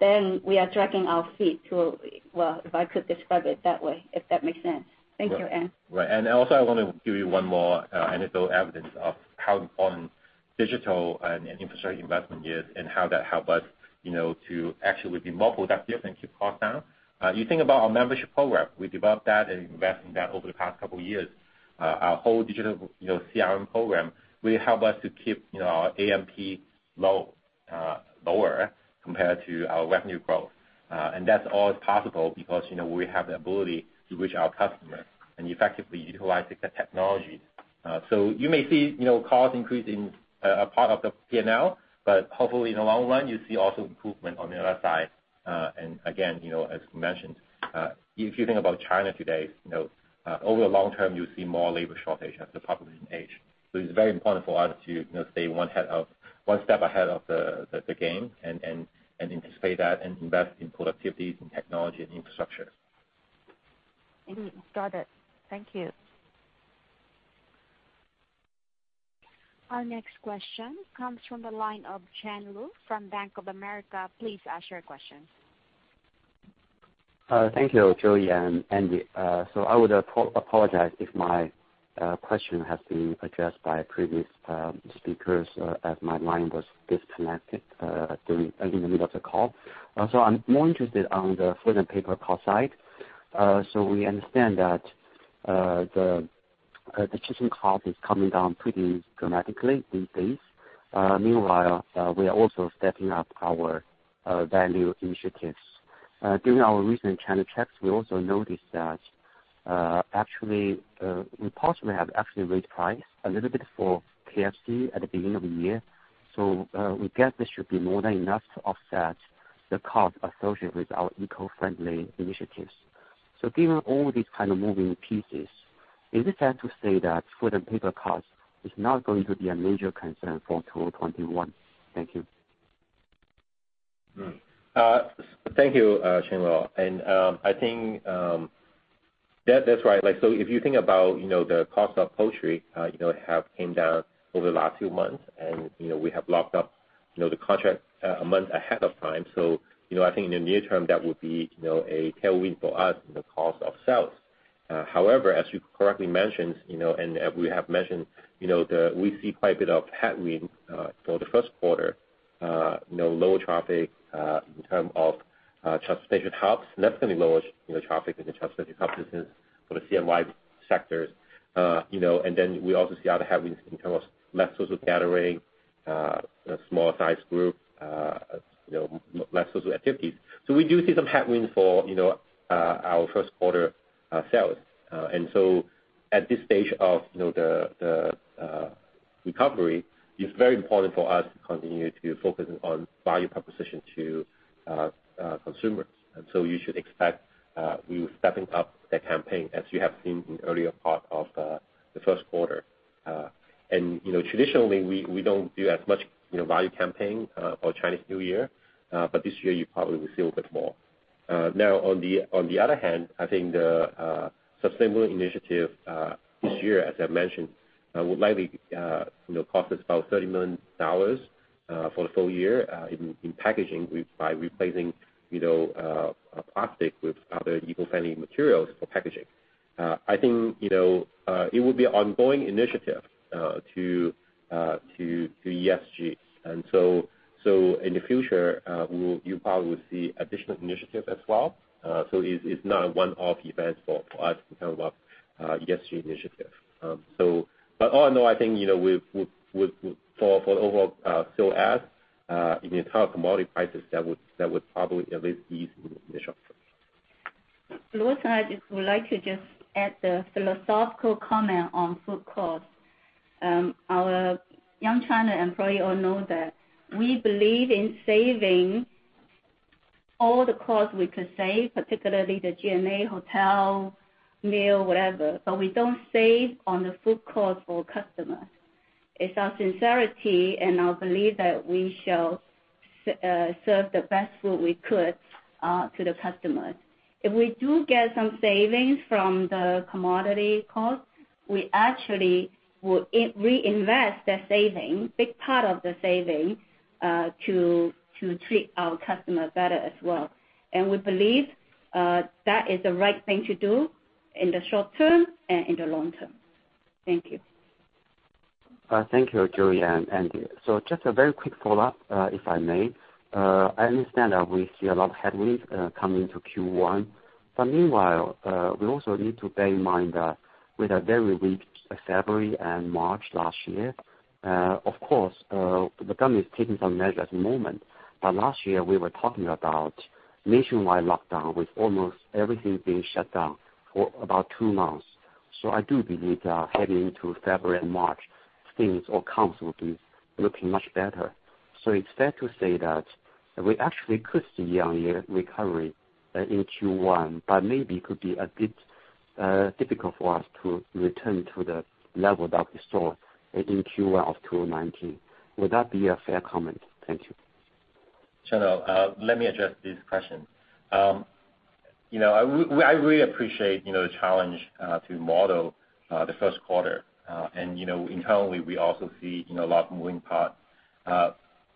then we are dragging our feet too well, if I could describe it that way, if that makes sense. Thank you, Anne. Right. Also, I want to give you one more anecdotal evidence of how important digital and infrastructure investment is and how that help us to actually be more productive and keep costs down. You think about our membership program. We developed that and invest in that over the past couple of years. Our whole digital CRM program will help us to keep our A&P lower compared to our revenue growth. That's always possible because we have the ability to reach our customers and effectively utilize the technologies. You may see costs increase in a part of the P&L, but hopefully in the long run, you see also improvement on the other side. Again, as we mentioned, if you think about China today, over the long term, you'll see more labor shortage as the population age. It's very important for us to stay one step ahead of the game and anticipate that and invest in productivity, technology, and infrastructure. Andy, got it. Thank you. Our next question comes from the line of Chen Luo from Bank of America. Please ask your question. Thank you, Joey and Andy. I would apologize if my question has been addressed by previous speakers, as my line was disconnected during the middle of the call. I'm more interested on the food and paper cost side. We understand that the chicken cost is coming down pretty dramatically these days. Meanwhile, we are also stepping up our value initiatives. During our recent China checks, we also noticed that actually, we possibly have actually raised price a little bit for KFC at the beginning of the year. We guess this should be more than enough to offset the cost associated with our eco-friendly initiatives. Given all these kind of moving pieces, is it fair to say that food and paper costs is not going to be a major concern for 2021? Thank you. Thank you, Chen Luo. I think that's right. If you think about the cost of poultry, it have came down over the last few months, and we have locked up the contract a month ahead of time. I think in the near term, that would be a tailwind for us in the cost of sales. However, as you correctly mentioned, and we have mentioned, we see quite a bit of headwind for the first quarter. Lower traffic in terms of transportation hubs, that's going to be lower traffic in the transportation hubs. This is for the CNY sectors. We also see other headwinds in terms of less social gathering, small size group, less social activities. We do see some headwind for our first quarter sales. At this stage of the recovery, it's very important for us to continue to focus on value proposition to consumers. You should expect we will stepping up the campaign as you have seen in earlier part of the first quarter. Traditionally, we don't do as much value campaign for Chinese New Year, but this year you probably will see a bit more. On the other hand, I think the sustainable initiative this year, as I've mentioned, will likely cost us about $30 million for the full year in packaging by replacing plastic with other eco-friendly materials for packaging. I think it would be ongoing initiative to ESG. In the future, you probably will see additional initiatives as well. So it's not a one-off event for us in terms of ESG initiative. All in all, I think for overall still ahead in the entire commodity prices, that would probably at least be in the short term. Luo, I would like to just add a philosophical comment on food cost. Our Yum China employee all know that we believe in saving all the costs we could save, particularly the G&A hotel, meal, whatever. We don't save on the food cost for customers. It's our sincerity and our belief that we shall serve the best food we could to the customers. If we do get some savings from the commodity costs, we actually will reinvest the savings, big part of the saving, to treat our customers better as well. We believe, that is the right thing to do in the short term and in the long term. Thank you. Thank you, Joey and Andy. Just a very quick follow-up, if I may. I understand that we see a lot of headwinds coming to Q1, but meanwhile, we also need to bear in mind that with a very weak February and March last year, of course, the government is taking some measures at the moment. Last year, we were talking about nationwide lockdown with almost everything being shut down for about two months. I do believe heading into February and March, things or counts will be looking much better. It's fair to say that we actually could see a year-on-year recovery in Q1, but maybe could be a bit difficult for us to return to the level that we saw in Q1 of 2019. Would that be a fair comment? Thank you. Chen Luo, let me address this question. I really appreciate the challenge to model the first quarter. Internally, we also see a lot of moving parts.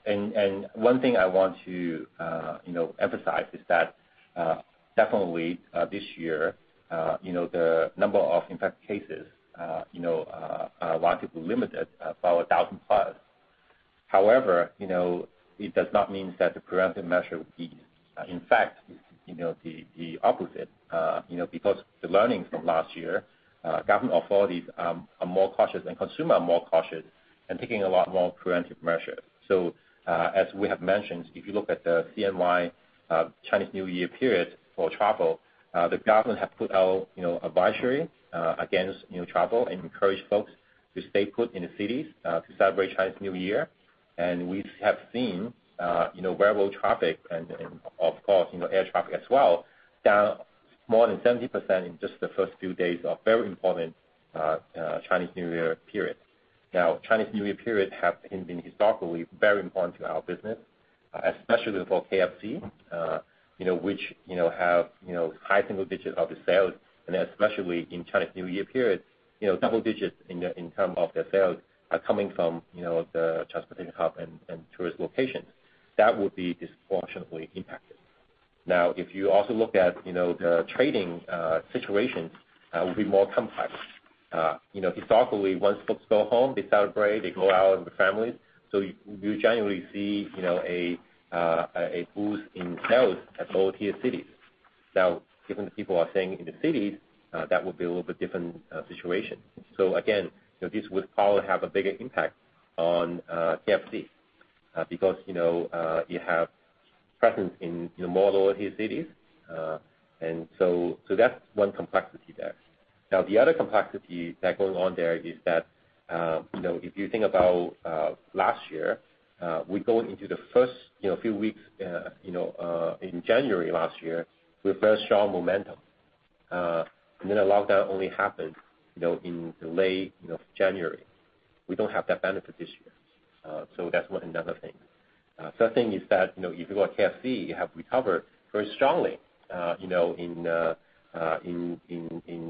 One thing I want to emphasize is that definitely, this year the number of infected cases are relatively limited, about 1,000+. However, it does not mean that the preventive measure will be the opposite because the learnings from last year, government authorities are more cautious and consumer are more cautious and taking a lot more preventive measures. As we have mentioned, if you look at the CNY, Chinese New Year period for travel, the government have put out advisory against new travel and encourage folks to stay put in the cities to celebrate Chinese New Year. We have seen railroad traffic and, of course, air traffic as well, down more than 70% in just the first few days of very important Chinese New Year period. Chinese New Year period have been historically very important to our business, especially for KFC, which have high single digits of the sales, and especially in Chinese New Year period, double digits in terms of their sales are coming from the transportation hub and tourist locations. That would be disproportionately impacted. If you also look at the trading situation will be more complex. Historically, once folks go home, they celebrate, they go out with the families. You generally see a boost in sales at lower tier cities. Given the people are staying in the cities, that will be a little bit different situation. Again, this would probably have a bigger impact on KFC because you have presence in more lower tier cities. That's one complexity there. The other complexity that goes on there is that, if you think about last year, we go into the first few weeks in January last year, we first saw momentum. Then a lockdown only happened in the late January. We don't have that benefit this year. That's another thing. Third thing is that, if you've got KFC, you have recovered very strongly in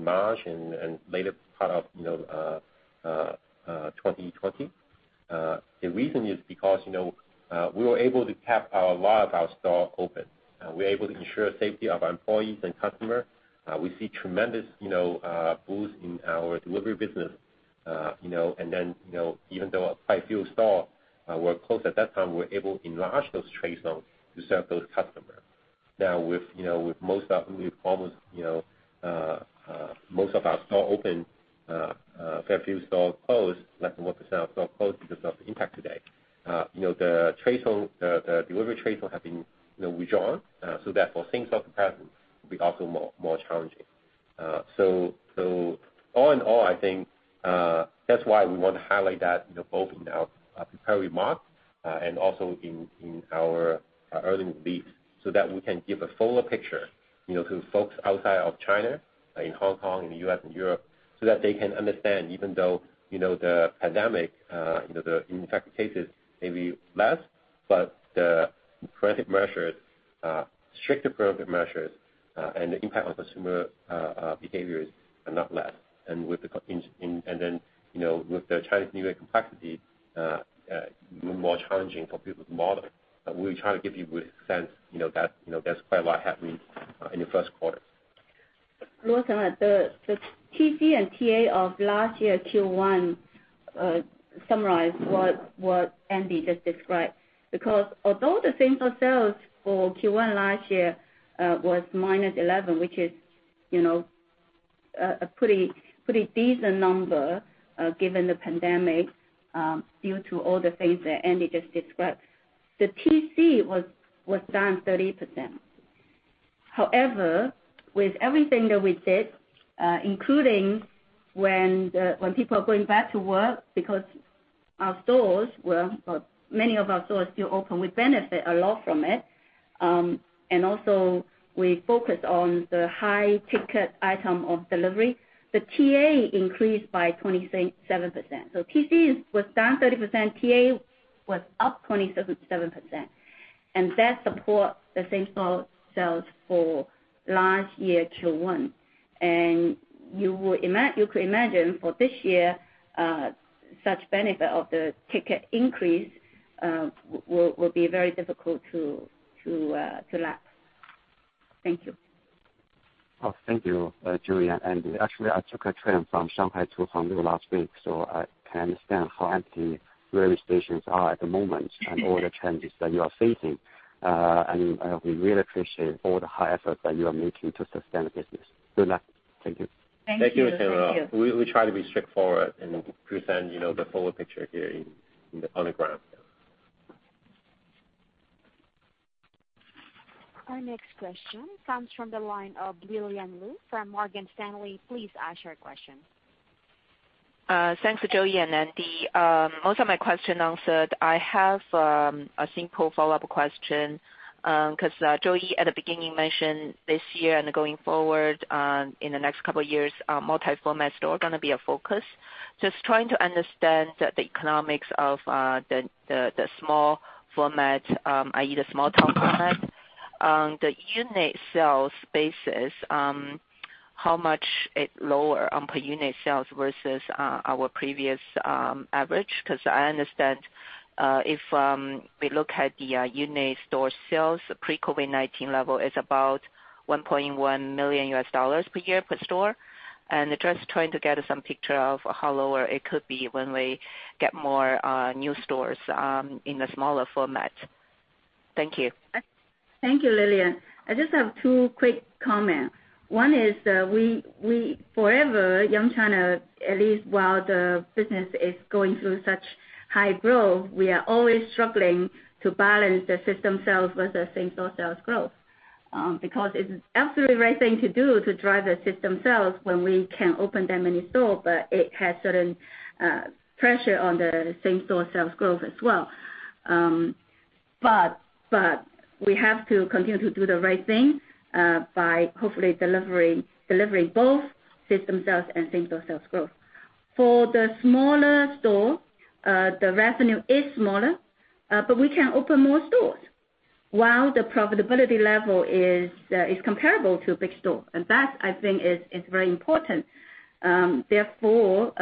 March and later part of 2020. The reason is because we were able to keep a lot of our store open. We're able to ensure safety of our employees and customer. We see tremendous boost in our delivery business. Then, even though quite a few store were closed at that time, we're able to enlarge those trade zones to serve those customers. Now with most of our store open, fair few stores closed, less than 1% of stores closed because of the impact today. The delivery trade zone have been redrawn, so therefore same store capacity will be also more challenging. All in all, I think that's why we want to highlight that both in our prepared remarks, and also in our earnings brief so that we can give a fuller picture to folks outside of China, in Hong Kong, in the U.S. and Europe, so that they can understand, even though, the pandemic, the infected cases may be less, but the preventive measures, stricter preventive measures, and the impact on consumer behaviors are not less. With the Chinese New Year complexity, even more challenging for people to model. We try to give you a good sense, that is quite a lot happening in the first quarter. Luo, the TC and TA of last year Q1 summarize what Andy just described, because although the same store sales for Q1 last year was -11%, which is a pretty decent number given the pandemic, due to all the things that Andy just described. The TC was down 30%. However, with everything that we did, including when people are going back to work because many of our stores still open, we benefit a lot from it. Also, we focus on the high ticket item of delivery. The TA increased by 27%. TC was down 30%, TA was up 27%. That support the same store sales for last year Q1. You could imagine for this year, such benefit of the ticket increase will be very difficult to lapse. Thank you. Thank you, Joey and Andy. Actually, I took a train from Shanghai to Hangzhou last week, so I can understand how empty railway stations are at the moment and all the challenges that you are facing. We really appreciate all the high effort that you are making to sustain the business. Good luck. Thank you. Thank you. Thank you. We try to be straightforward and present the fuller picture here on the ground. Our next question comes from the line of Lillian Lou from Morgan Stanley. Please ask your question. Thanks, Joey and Andy. Most of my question answered. I have a simple follow-up question. Joey at the beginning mentioned this year and going forward in the next couple of years, multi-format store going to be a focus. Trying to understand the economics of the small format, i.e., the small town format. The unit sales basis, how much it lower on per unit sales versus our previous average? I understand if we look at the unit store sales, pre-COVID-19 level is about $1.1 million per year per store. Just trying to get some picture of how lower it could be when we get more new stores in the smaller format. Thank you. Thank you, Lillian. I just have two quick comments. One is, forever, Yum China, at least while the business is going through such high growth, we are always struggling to balance the system sales versus same-store sales growth. It's absolutely the right thing to do to drive the system sales when we can open that many stores, but it has certain pressure on the same-store sales growth as well. We have to continue to do the right thing by hopefully delivering both system sales and same-store sales growth. For the smaller store, the revenue is smaller, but we can open more stores while the profitability level is comparable to a big store, and that, I think, is very important. Therefore,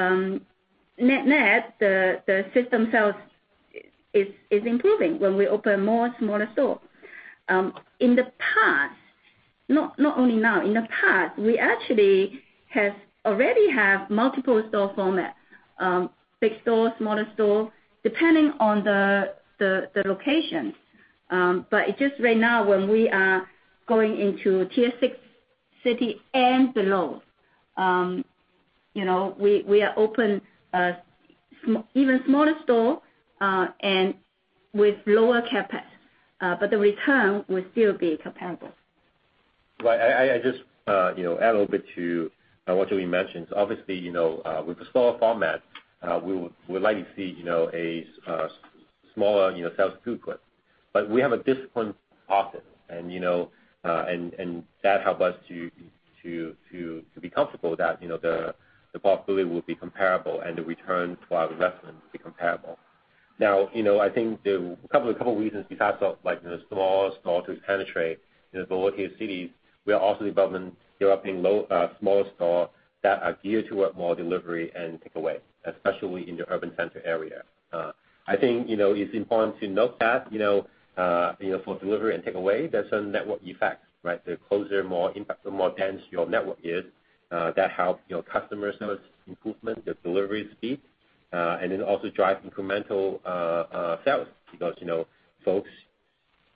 net net, the system sales is improving when we open more smaller stores. Not only now, in the past, we actually already have multiple store formats, big stores, smaller stores, depending on the locations. It's just right now when we are going into Tier 6 city and below. We open even smaller store and with lower CapEx, but the return will still be comparable. Right. I just add a little bit to what Joey mentioned. Obviously, with the store format, we would like to see a smaller sales footprint. We have a disciplined process, and that help us to be comfortable that the profitability will be comparable and the return to our investment will be comparable. I think there are a couple of reasons besides the smaller store to penetrate the lower tier cities. We are also developing smaller stores that are geared toward more delivery and takeaway, especially in the urban center area. I think it's important to note that for delivery and takeaway, there are certain network effects, right? The closer, more dense your network is, that helps your customer service improvement, the delivery speed, and it also drives incremental sales because folks,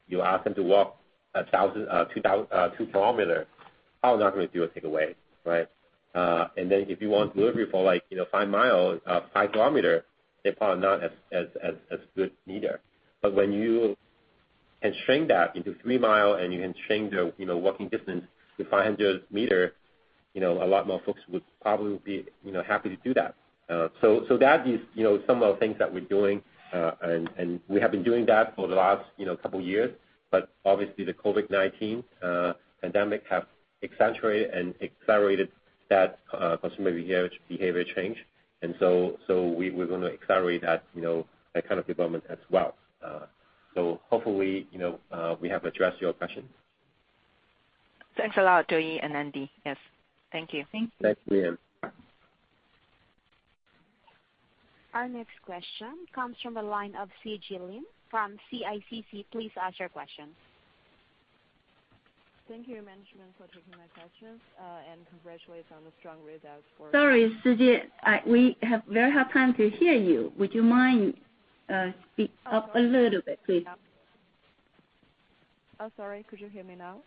you ask them to walk 2 km probably not going to do a takeaway, right? If you want delivery for 5 km, they're probably not as good either. When you can shrink that into 3 mi and you can shrink the working distance to 500 m, a lot more folks would probably be happy to do that. That is some of the things that we're doing, and we have been doing that for the last couple of years. Obviously, the COVID-19 pandemic have accentuated and accelerated that consumer behavior change. We're going to accelerate that kind of development as well. Hopefully, we have addressed your question. Thanks a lot, Joey and Andy. Yes. Thank you. Thanks. Thanks, Lillian. Our next question comes from the line of Sijie Lin from CICC. Please ask your question. Thank you, management, for taking my questions, and congratulations on the strong results. Sorry, Sijie, we have very hard time to hear you. Would you mind speak up a little bit, please? Oh, sorry. Could you hear me now?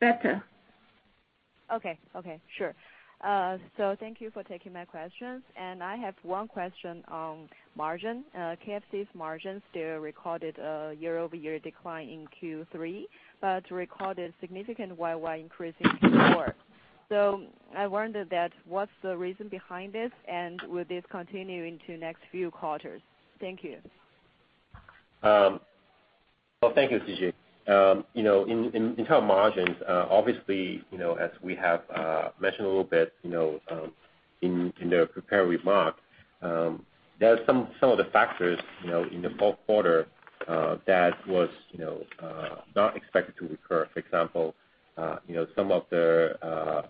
Better. Okay. Okay, sure. Thank you for taking my questions. I have one question on margin. KFC's margins, they recorded a year-over-year decline in Q3, but recorded a significant YoY increase in Q4. I wondered that what's the reason behind this, and will this continue into next few quarters? Thank you. Well, thank you, Sijie. In terms of margins, obviously, as we have mentioned a little bit in the prepared remarks, there are some of the factors in the fourth quarter that was not expected to recur. For example, some of the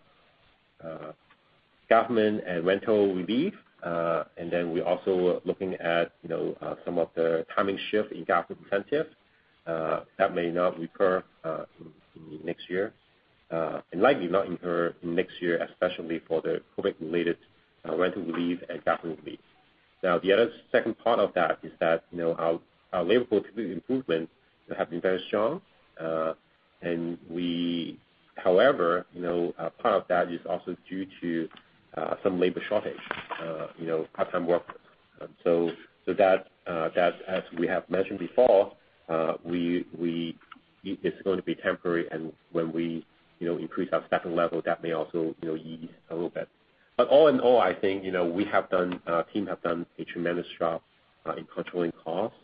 government and rental relief, and then we're also looking at some of the timing shift in government incentive. That may not recur in next year, and likely not incur in next year, especially for the COVID-related rental relief and government relief. The other second part of that is that our labor productivity improvements have been very strong. However, part of that is also due to some labor shortage, part-time workers. That, as we have mentioned before, it's going to be temporary, and when we increase our staffing level, that may also ease a little bit. All in all, I think our team have done a tremendous job in controlling costs.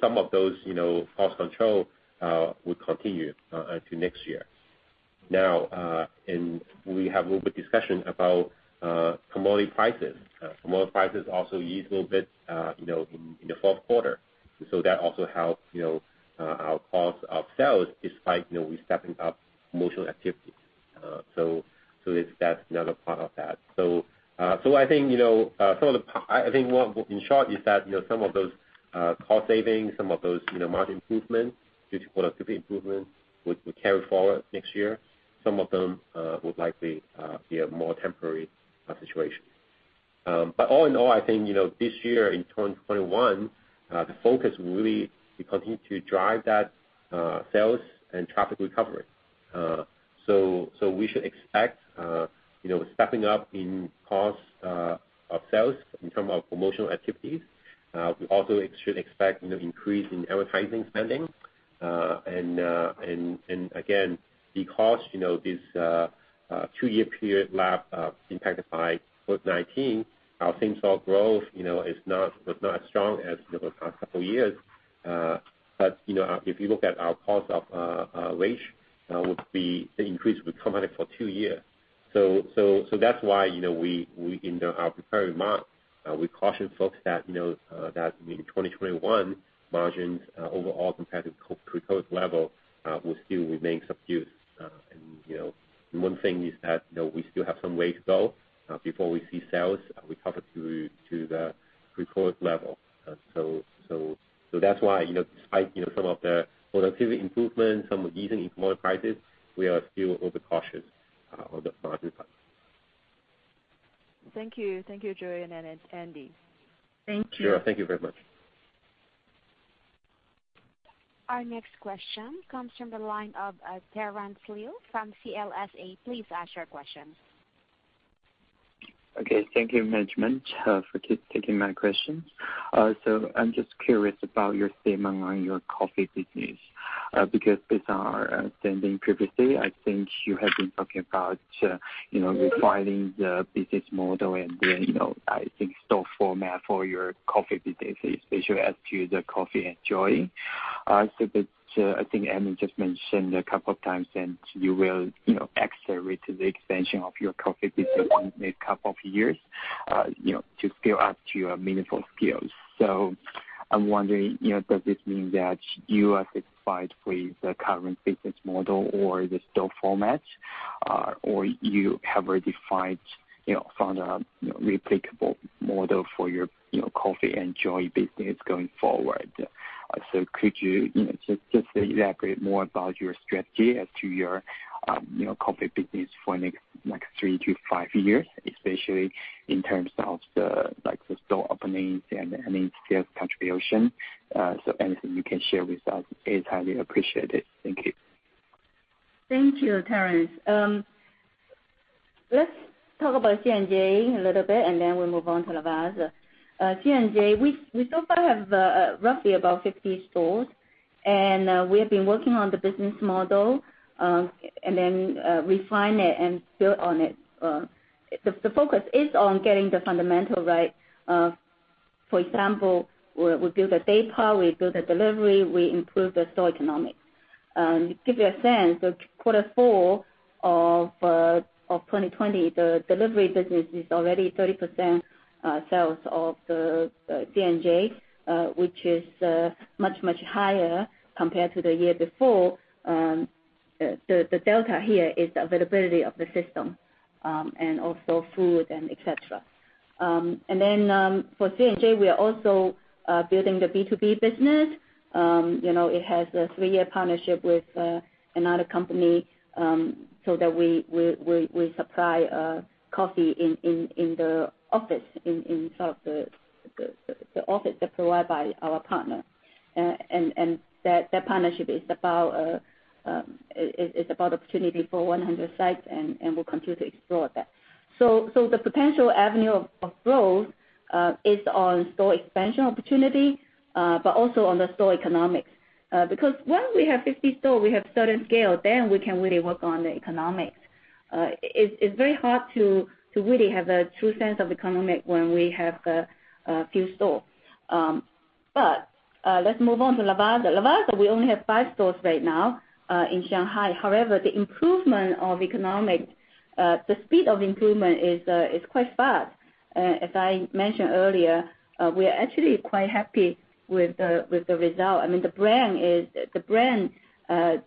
Some of those cost control will continue into next year. We have a little bit discussion about commodity prices. Commodity prices also ease a little bit in the fourth quarter, so that also helps our cost of sales despite we stepping up promotional activities. That's another part of that. I think in short is that some of those cost savings, some of those margin improvements, productivity improvements, will carry forward next year. Some of them would likely be a more temporary situation. All in all, I think this year in 2021, the focus will really be continue to drive that sales and traffic recovery. We should expect stepping up in cost of sales in term of promotional activities. We also should expect an increase in advertising spending. Again, because this two-year period lap impacted by COVID-19, our same store growth was not as strong as the past couple years. If you look at our cost of wage, the increase will come at it for two years. That's why in our prepared remarks, we caution folks that in 2021, margins overall compared to pre-COVID level will still remain subdued. One thing is that we still have some way to go before we see sales recover to the pre-COVID level. That's why despite some of the productivity improvements, some easing in commodity prices, we are still overcautious on the margin front. Thank you. Thank you, Joey. It's Andy. Thank you. Sure. Thank you very much. Our next question comes from the line of Terrance Liu from CLSA. Please ask your question. Okay. Thank you, management, for taking my questions. I'm just curious about your statement on your coffee business. Based on our standing previously, I think you have been talking about refining the business model and then, I think store format for your coffee business, especially as to the COFFii & JOY. I think Andy just mentioned a couple of times that you will accelerate the expansion of your coffee business in this couple of years to scale up to your meaningful scales. I'm wondering, does this mean that you are satisfied with the current business model or the store format, or you have already found a replicable model for your COFFii & JOY business going forward? Could you just elaborate more about your strategy as to your coffee business for next three to five years, especially in terms of the store openings and any sales contribution? Anything you can share with us is highly appreciated. Thank you. Thank you, Terrance. Let's talk about C&J a little bit, and then we'll move on to Lavazza. C&J, we so far have roughly about 50 stores, and we have been working on the business model, and then refine it and build on it. The focus is on getting the fundamental right. For example, we build the data, we build the delivery, we improve the store economics. To give you a sense, the Q4 2020, the delivery business is already 30% sales of the C&J, which is much, much higher compared to the year before. The delta here is the availability of the system, and also food and et cetera. For C&J, we are also building the B2B business. It has a three-year partnership with another company so that we supply coffee in the office that's provided by our partner. That partnership is about opportunity for 100 sites, and we'll continue to explore that. The potential avenue of growth is on store expansion opportunity, but also on the store economics. Once we have 50 stores, we have certain scale, then we can really work on the economics. It's very hard to really have a true sense of economic when we have a few stores. Let's move on to Lavazza. Lavazza, we only have five stores right now in Shanghai. However, the improvement of economics, the speed of improvement is quite fast. As I mentioned earlier, we are actually quite happy with the result. The brand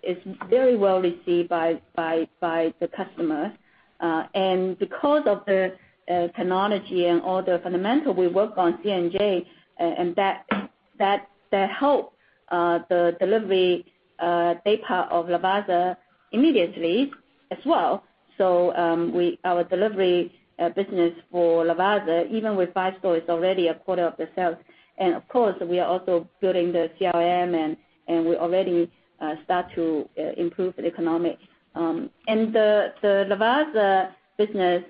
is very well received by the customer. Because of the technology and all the fundamental we work on C&J, and that help the delivery data of Lavazza immediately as well. Our delivery business for Lavazza, even with five stores, is already a quarter of the sales. Of course, we are also building the CRM, and we already start to improve the economics. The Lavazza business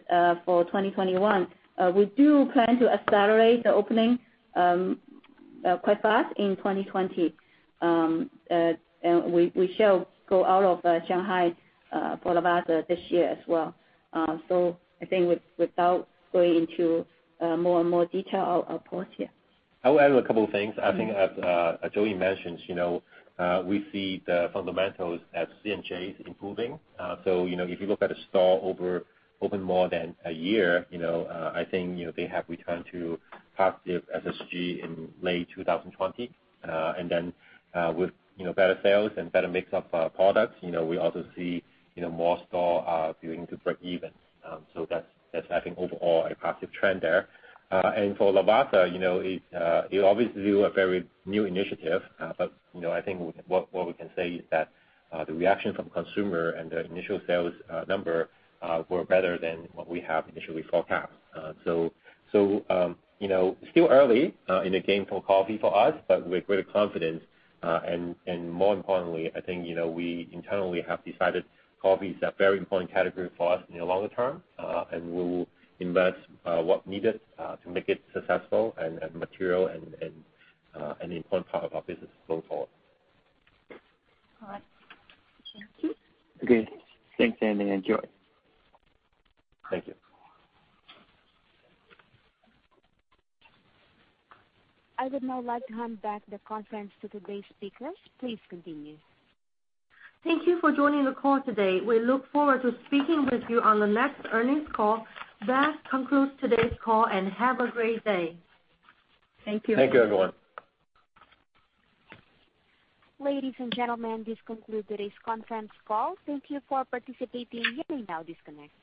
for 2021, we do plan to accelerate the opening quite fast in 2020. We shall go out of Shanghai for Lavazza this year as well. I think without going into more and more detail, I'll pause here. I will add a couple of things. I think as Joey mentions, we see the fundamentals at C&J is improving. If you look at a store open more than a year, I think they have returned to positive SSG in late 2020. With better sales and better mix of products, we also see more store are going to break even. That's, I think, overall a positive trend there. For Lavazza, it obviously was a very new initiative, but I think what we can say is that the reaction from consumer and the initial sales number were better than what we have initially forecast. Still early in the game for coffee for us, but with great confidence. More importantly, I think we internally have decided coffee is a very important category for us in the longer term, and we will invest what needed to make it successful and material and an important part of our business going forward. All right. Thank you. Okay. Thanks, Andy and Joey. Thank you. I would now like to hand back the conference to today's speakers. Please continue. Thank you for joining the call today. We look forward to speaking with you on the next earnings call. That concludes today's call, and have a great day. Thank you. Thank you, everyone. Ladies and gentlemen, this concludes today's conference call. Thank you for participating. You may now disconnect.